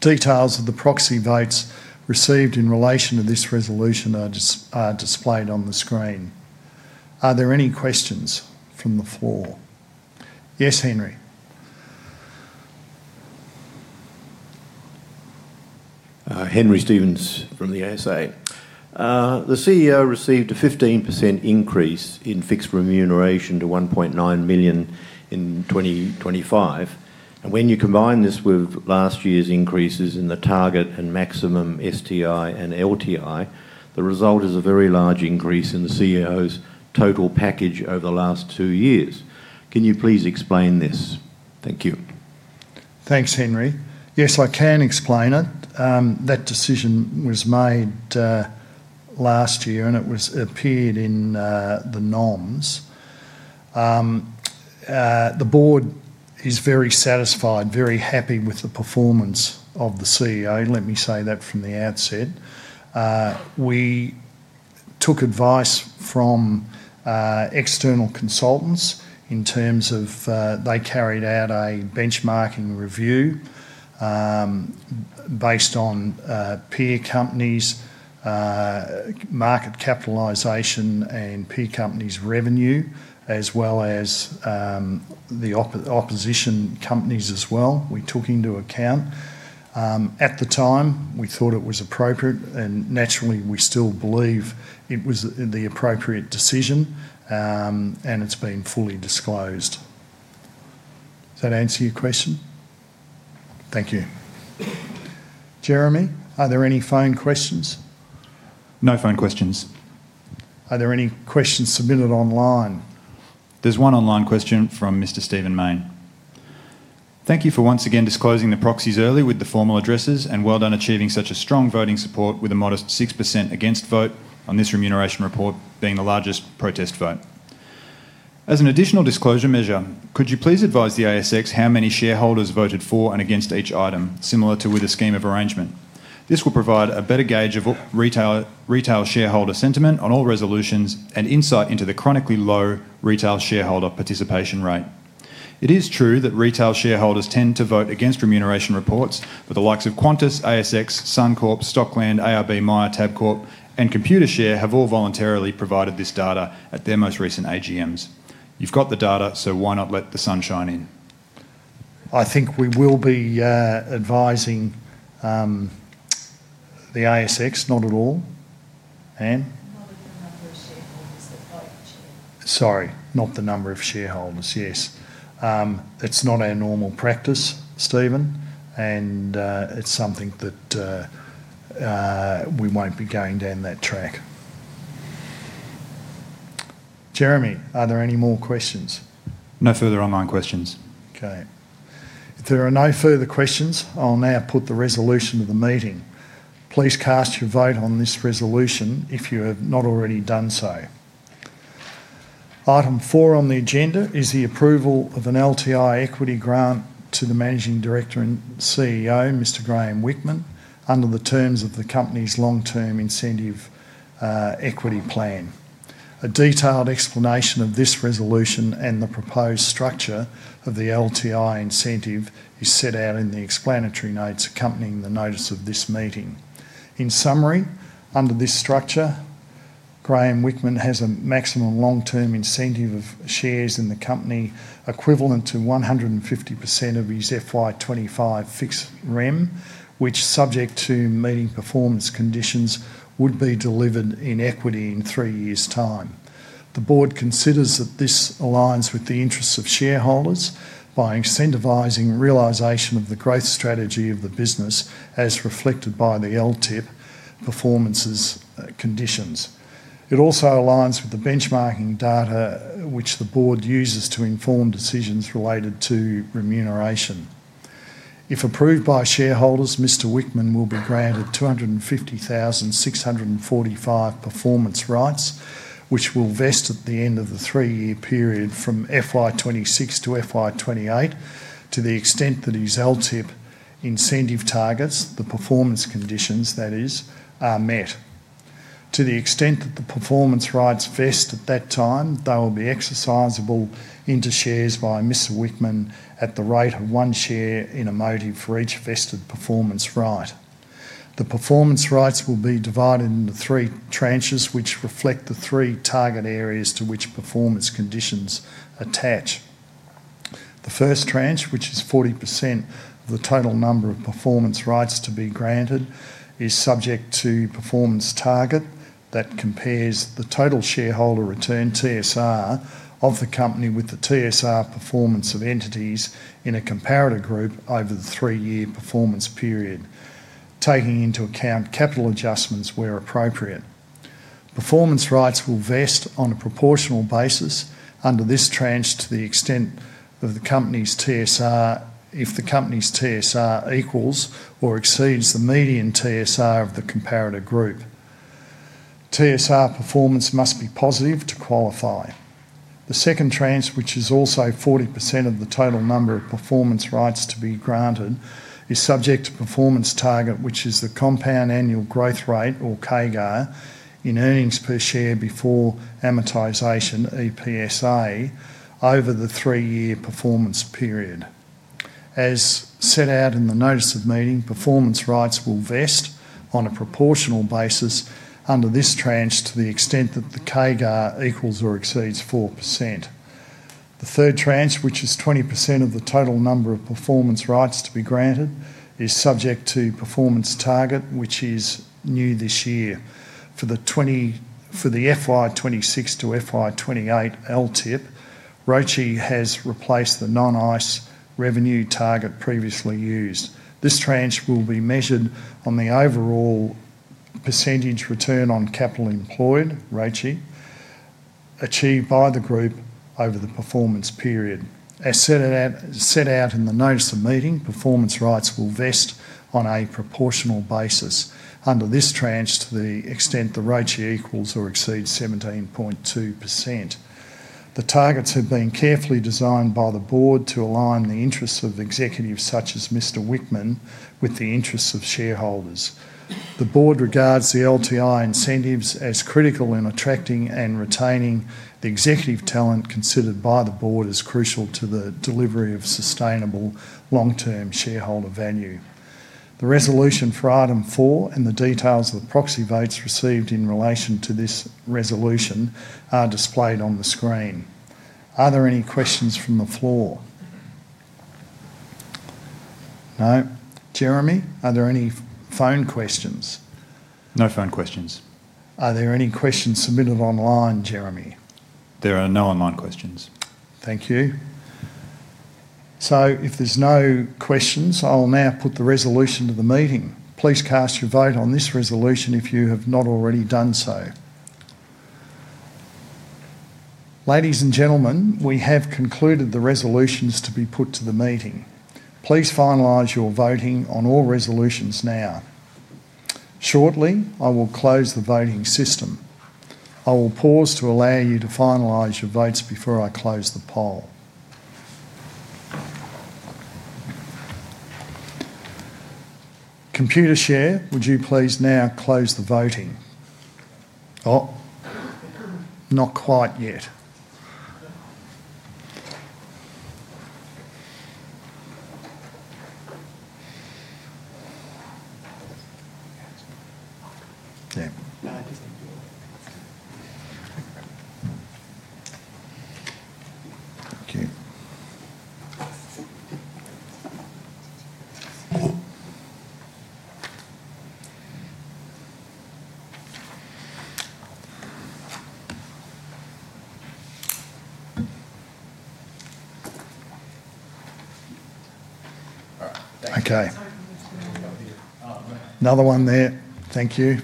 Details of the proxy votes received in relation to this resolution are displayed on the screen. Are there any questions from the floor? Yes, Henry. Henry Stevens from the ASA. The CEO received a 15% increase in fixed remuneration to $1.9 million in 2025. When you combine this with last year's increases in the target and maximum STI and LTI, the result is a very large increase in the CEO's total package over the last two years. Can you please explain this? Thank you. Thanks, Henry. Yes, I can explain it. That decision was made last year, and it appeared in the NOMs. The board is very satisfied, very happy with the performance of the CEO. Let me say that from the outset. We took advice from external consultants in terms of they carried out a benchmarking review based on peer companies, market capitalization, and peer companies' revenue, as well as the opposition companies as well. We took into account. At the time, we thought it was appropriate, and naturally, we still believe it was the appropriate decision, and it's been fully disclosed. Does that answer your question? Thank you. Jeremy, are there any phone questions? No phone questions. Are there any questions submitted online? There's one online question from Mr. Stephen Main. Thank you for once again disclosing the proxies earlier with the formal addresses, and well done achieving such a strong voting support with a modest 6% against vote on this remuneration report being the largest protest vote. As an additional disclosure measure, could you please advise the ASX how many shareholders voted for and against each item, similar to with a scheme of arrangement? This will provide a better gauge of retail shareholder sentiment on all resolutions and insight into the chronically low retail shareholder participation rate. It is true that retail shareholders tend to vote against remuneration reports, but the likes of Qantas, ASX, Suncorp, Stockland, ARB, Myer, Tabcorp, and Computershare have all voluntarily provided this data at their most recent AGMs. You've got the data, so why not let the sun shine in? I think we will be advising the ASX, not at all. Anne? Not at the number of shareholders that vote, Chair. Sorry, not the number of shareholders, yes. It's not our normal practice, Stephen, and it's something that we won't be going down that track. Jeremy, are there any more questions? No further online questions. Okay. If there are no further questions, I'll now put the resolution to the meeting. Please cast your vote on this resolution if you have not already done so. Item four on the agenda is the approval of an LTI equity grant to the Managing Director and CEO, Mr. Graeme Whickman, under the terms of the company's long-term incentive equity plan. A detailed explanation of this resolution and the proposed structure of the LTI incentive is set out in the explanatory notes accompanying the notice of this meeting. In summary, under this structure, Graeme Whickman has a maximum long-term incentive of shares in the company equivalent to 150% of his FY 2025 fixed rem, which, subject to meeting performance conditions, would be delivered in equity in three years' time. The board considers that this aligns with the interests of shareholders by incentivizing the realization of the growth strategy of the business as reflected by the LTIP performance conditions. It also aligns with the benchmarking data which the board uses to inform decisions related to remuneration. If approved by shareholders, Mr. Whickman will be granted 250,645 performance rights, which will vest at the end of the three-year period from FY 2026 to FY 2028, to the extent that his LTIP incentive targets, the performance conditions that is, are met. To the extent that the performance rights vest at that time, they will be exercisable into shares by Mr. Whickman at the rate of one share in Amotiv for each vested performance right. The performance rights will be divided into three tranches, which reflect the three target areas to which performance conditions attach. The first tranche, which is 40% of the total number of performance rights to be granted, is subject to a performance target that compares the total shareholder return, TSR, of the company with the TSR performance of entities in a comparator group over the three-year performance period, taking into account capital adjustments where appropriate. Performance rights will vest on a proportional basis under this tranche to the extent of the company's TSR if the company's TSR equals or exceeds the median TSR of the comparator group. TSR performance must be positive to qualify. The second tranche, which is also 40% of the total number of performance rights to be granted, is subject to a performance target, which is the compound annual growth rate, or CAGR, in earnings per share before amortization, EPSA, over the three-year performance period. As set out in the notice of meeting, performance rights will vest on a proportional basis under this tranche to the extent that the CAGR equals or exceeds 4%. The third tranche, which is 20% of the total number of performance rights to be granted, is subject to a performance target, which is new this year. For the FY 2026 to FY 2028 LTIP, ROCE has replaced the non-ICE revenue target previously used. This tranche will be measured on the overall percentage return on capital employed, ROCE, achieved by the group over the performance period. As set out in the notice of meeting, performance rights will vest on a proportional basis under this tranche to the extent the ROCE equals or exceeds 17.2%. The targets have been carefully designed by the board to align the interests of executives such as Mr. Whickman with the interests of shareholders. The board regards the LTI incentives as critical in attracting and retaining. The executive talent considered by the board is crucial to the delivery of sustainable long-term shareholder value. The resolution for item four and the details of the proxy votes received in relation to this resolution are displayed on the screen. Are there any questions from the floor? No, Jeremy? Are there any phone questions? No phone questions. Are there any questions submitted online, Jeremy? There are no online questions. Thank you. If there's no questions, I will now put the resolution to the meeting. Please cast your vote on this resolution if you have not already done so. Ladies and gentlemen, we have concluded the resolutions to be put to the meeting. Please finalize your voting on all resolutions now. Shortly, I will close the voting system. I will pause to allow you to finalize your votes before I close the poll. Computershare, would you please now close the voting? Oh, not quite yet. Okay. Another one there. Thank you.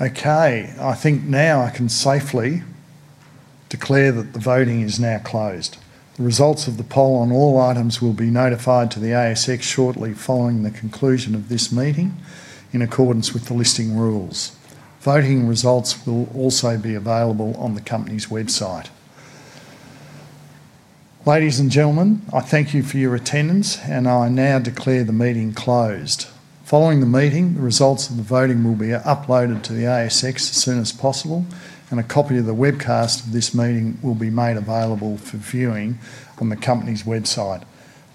Okay, I think now I can safely declare that the voting is now closed. The results of the poll on all items will be notified to the ASX shortly following the conclusion of this meeting in accordance with the listing rules. Voting results will also be available on the company's website. Ladies and gentlemen, I thank you for your attendance, and I now declare the meeting closed. Following the meeting, the results of the voting will be uploaded to the ASX as soon as possible, and a copy of the webcast of this meeting will be made available for viewing on the company's website.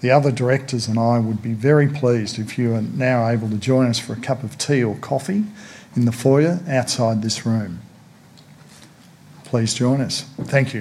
The other directors and I would be very pleased if you are now able to join us for a cup of tea or coffee in the foyer outside this room. Please join us. Thank you.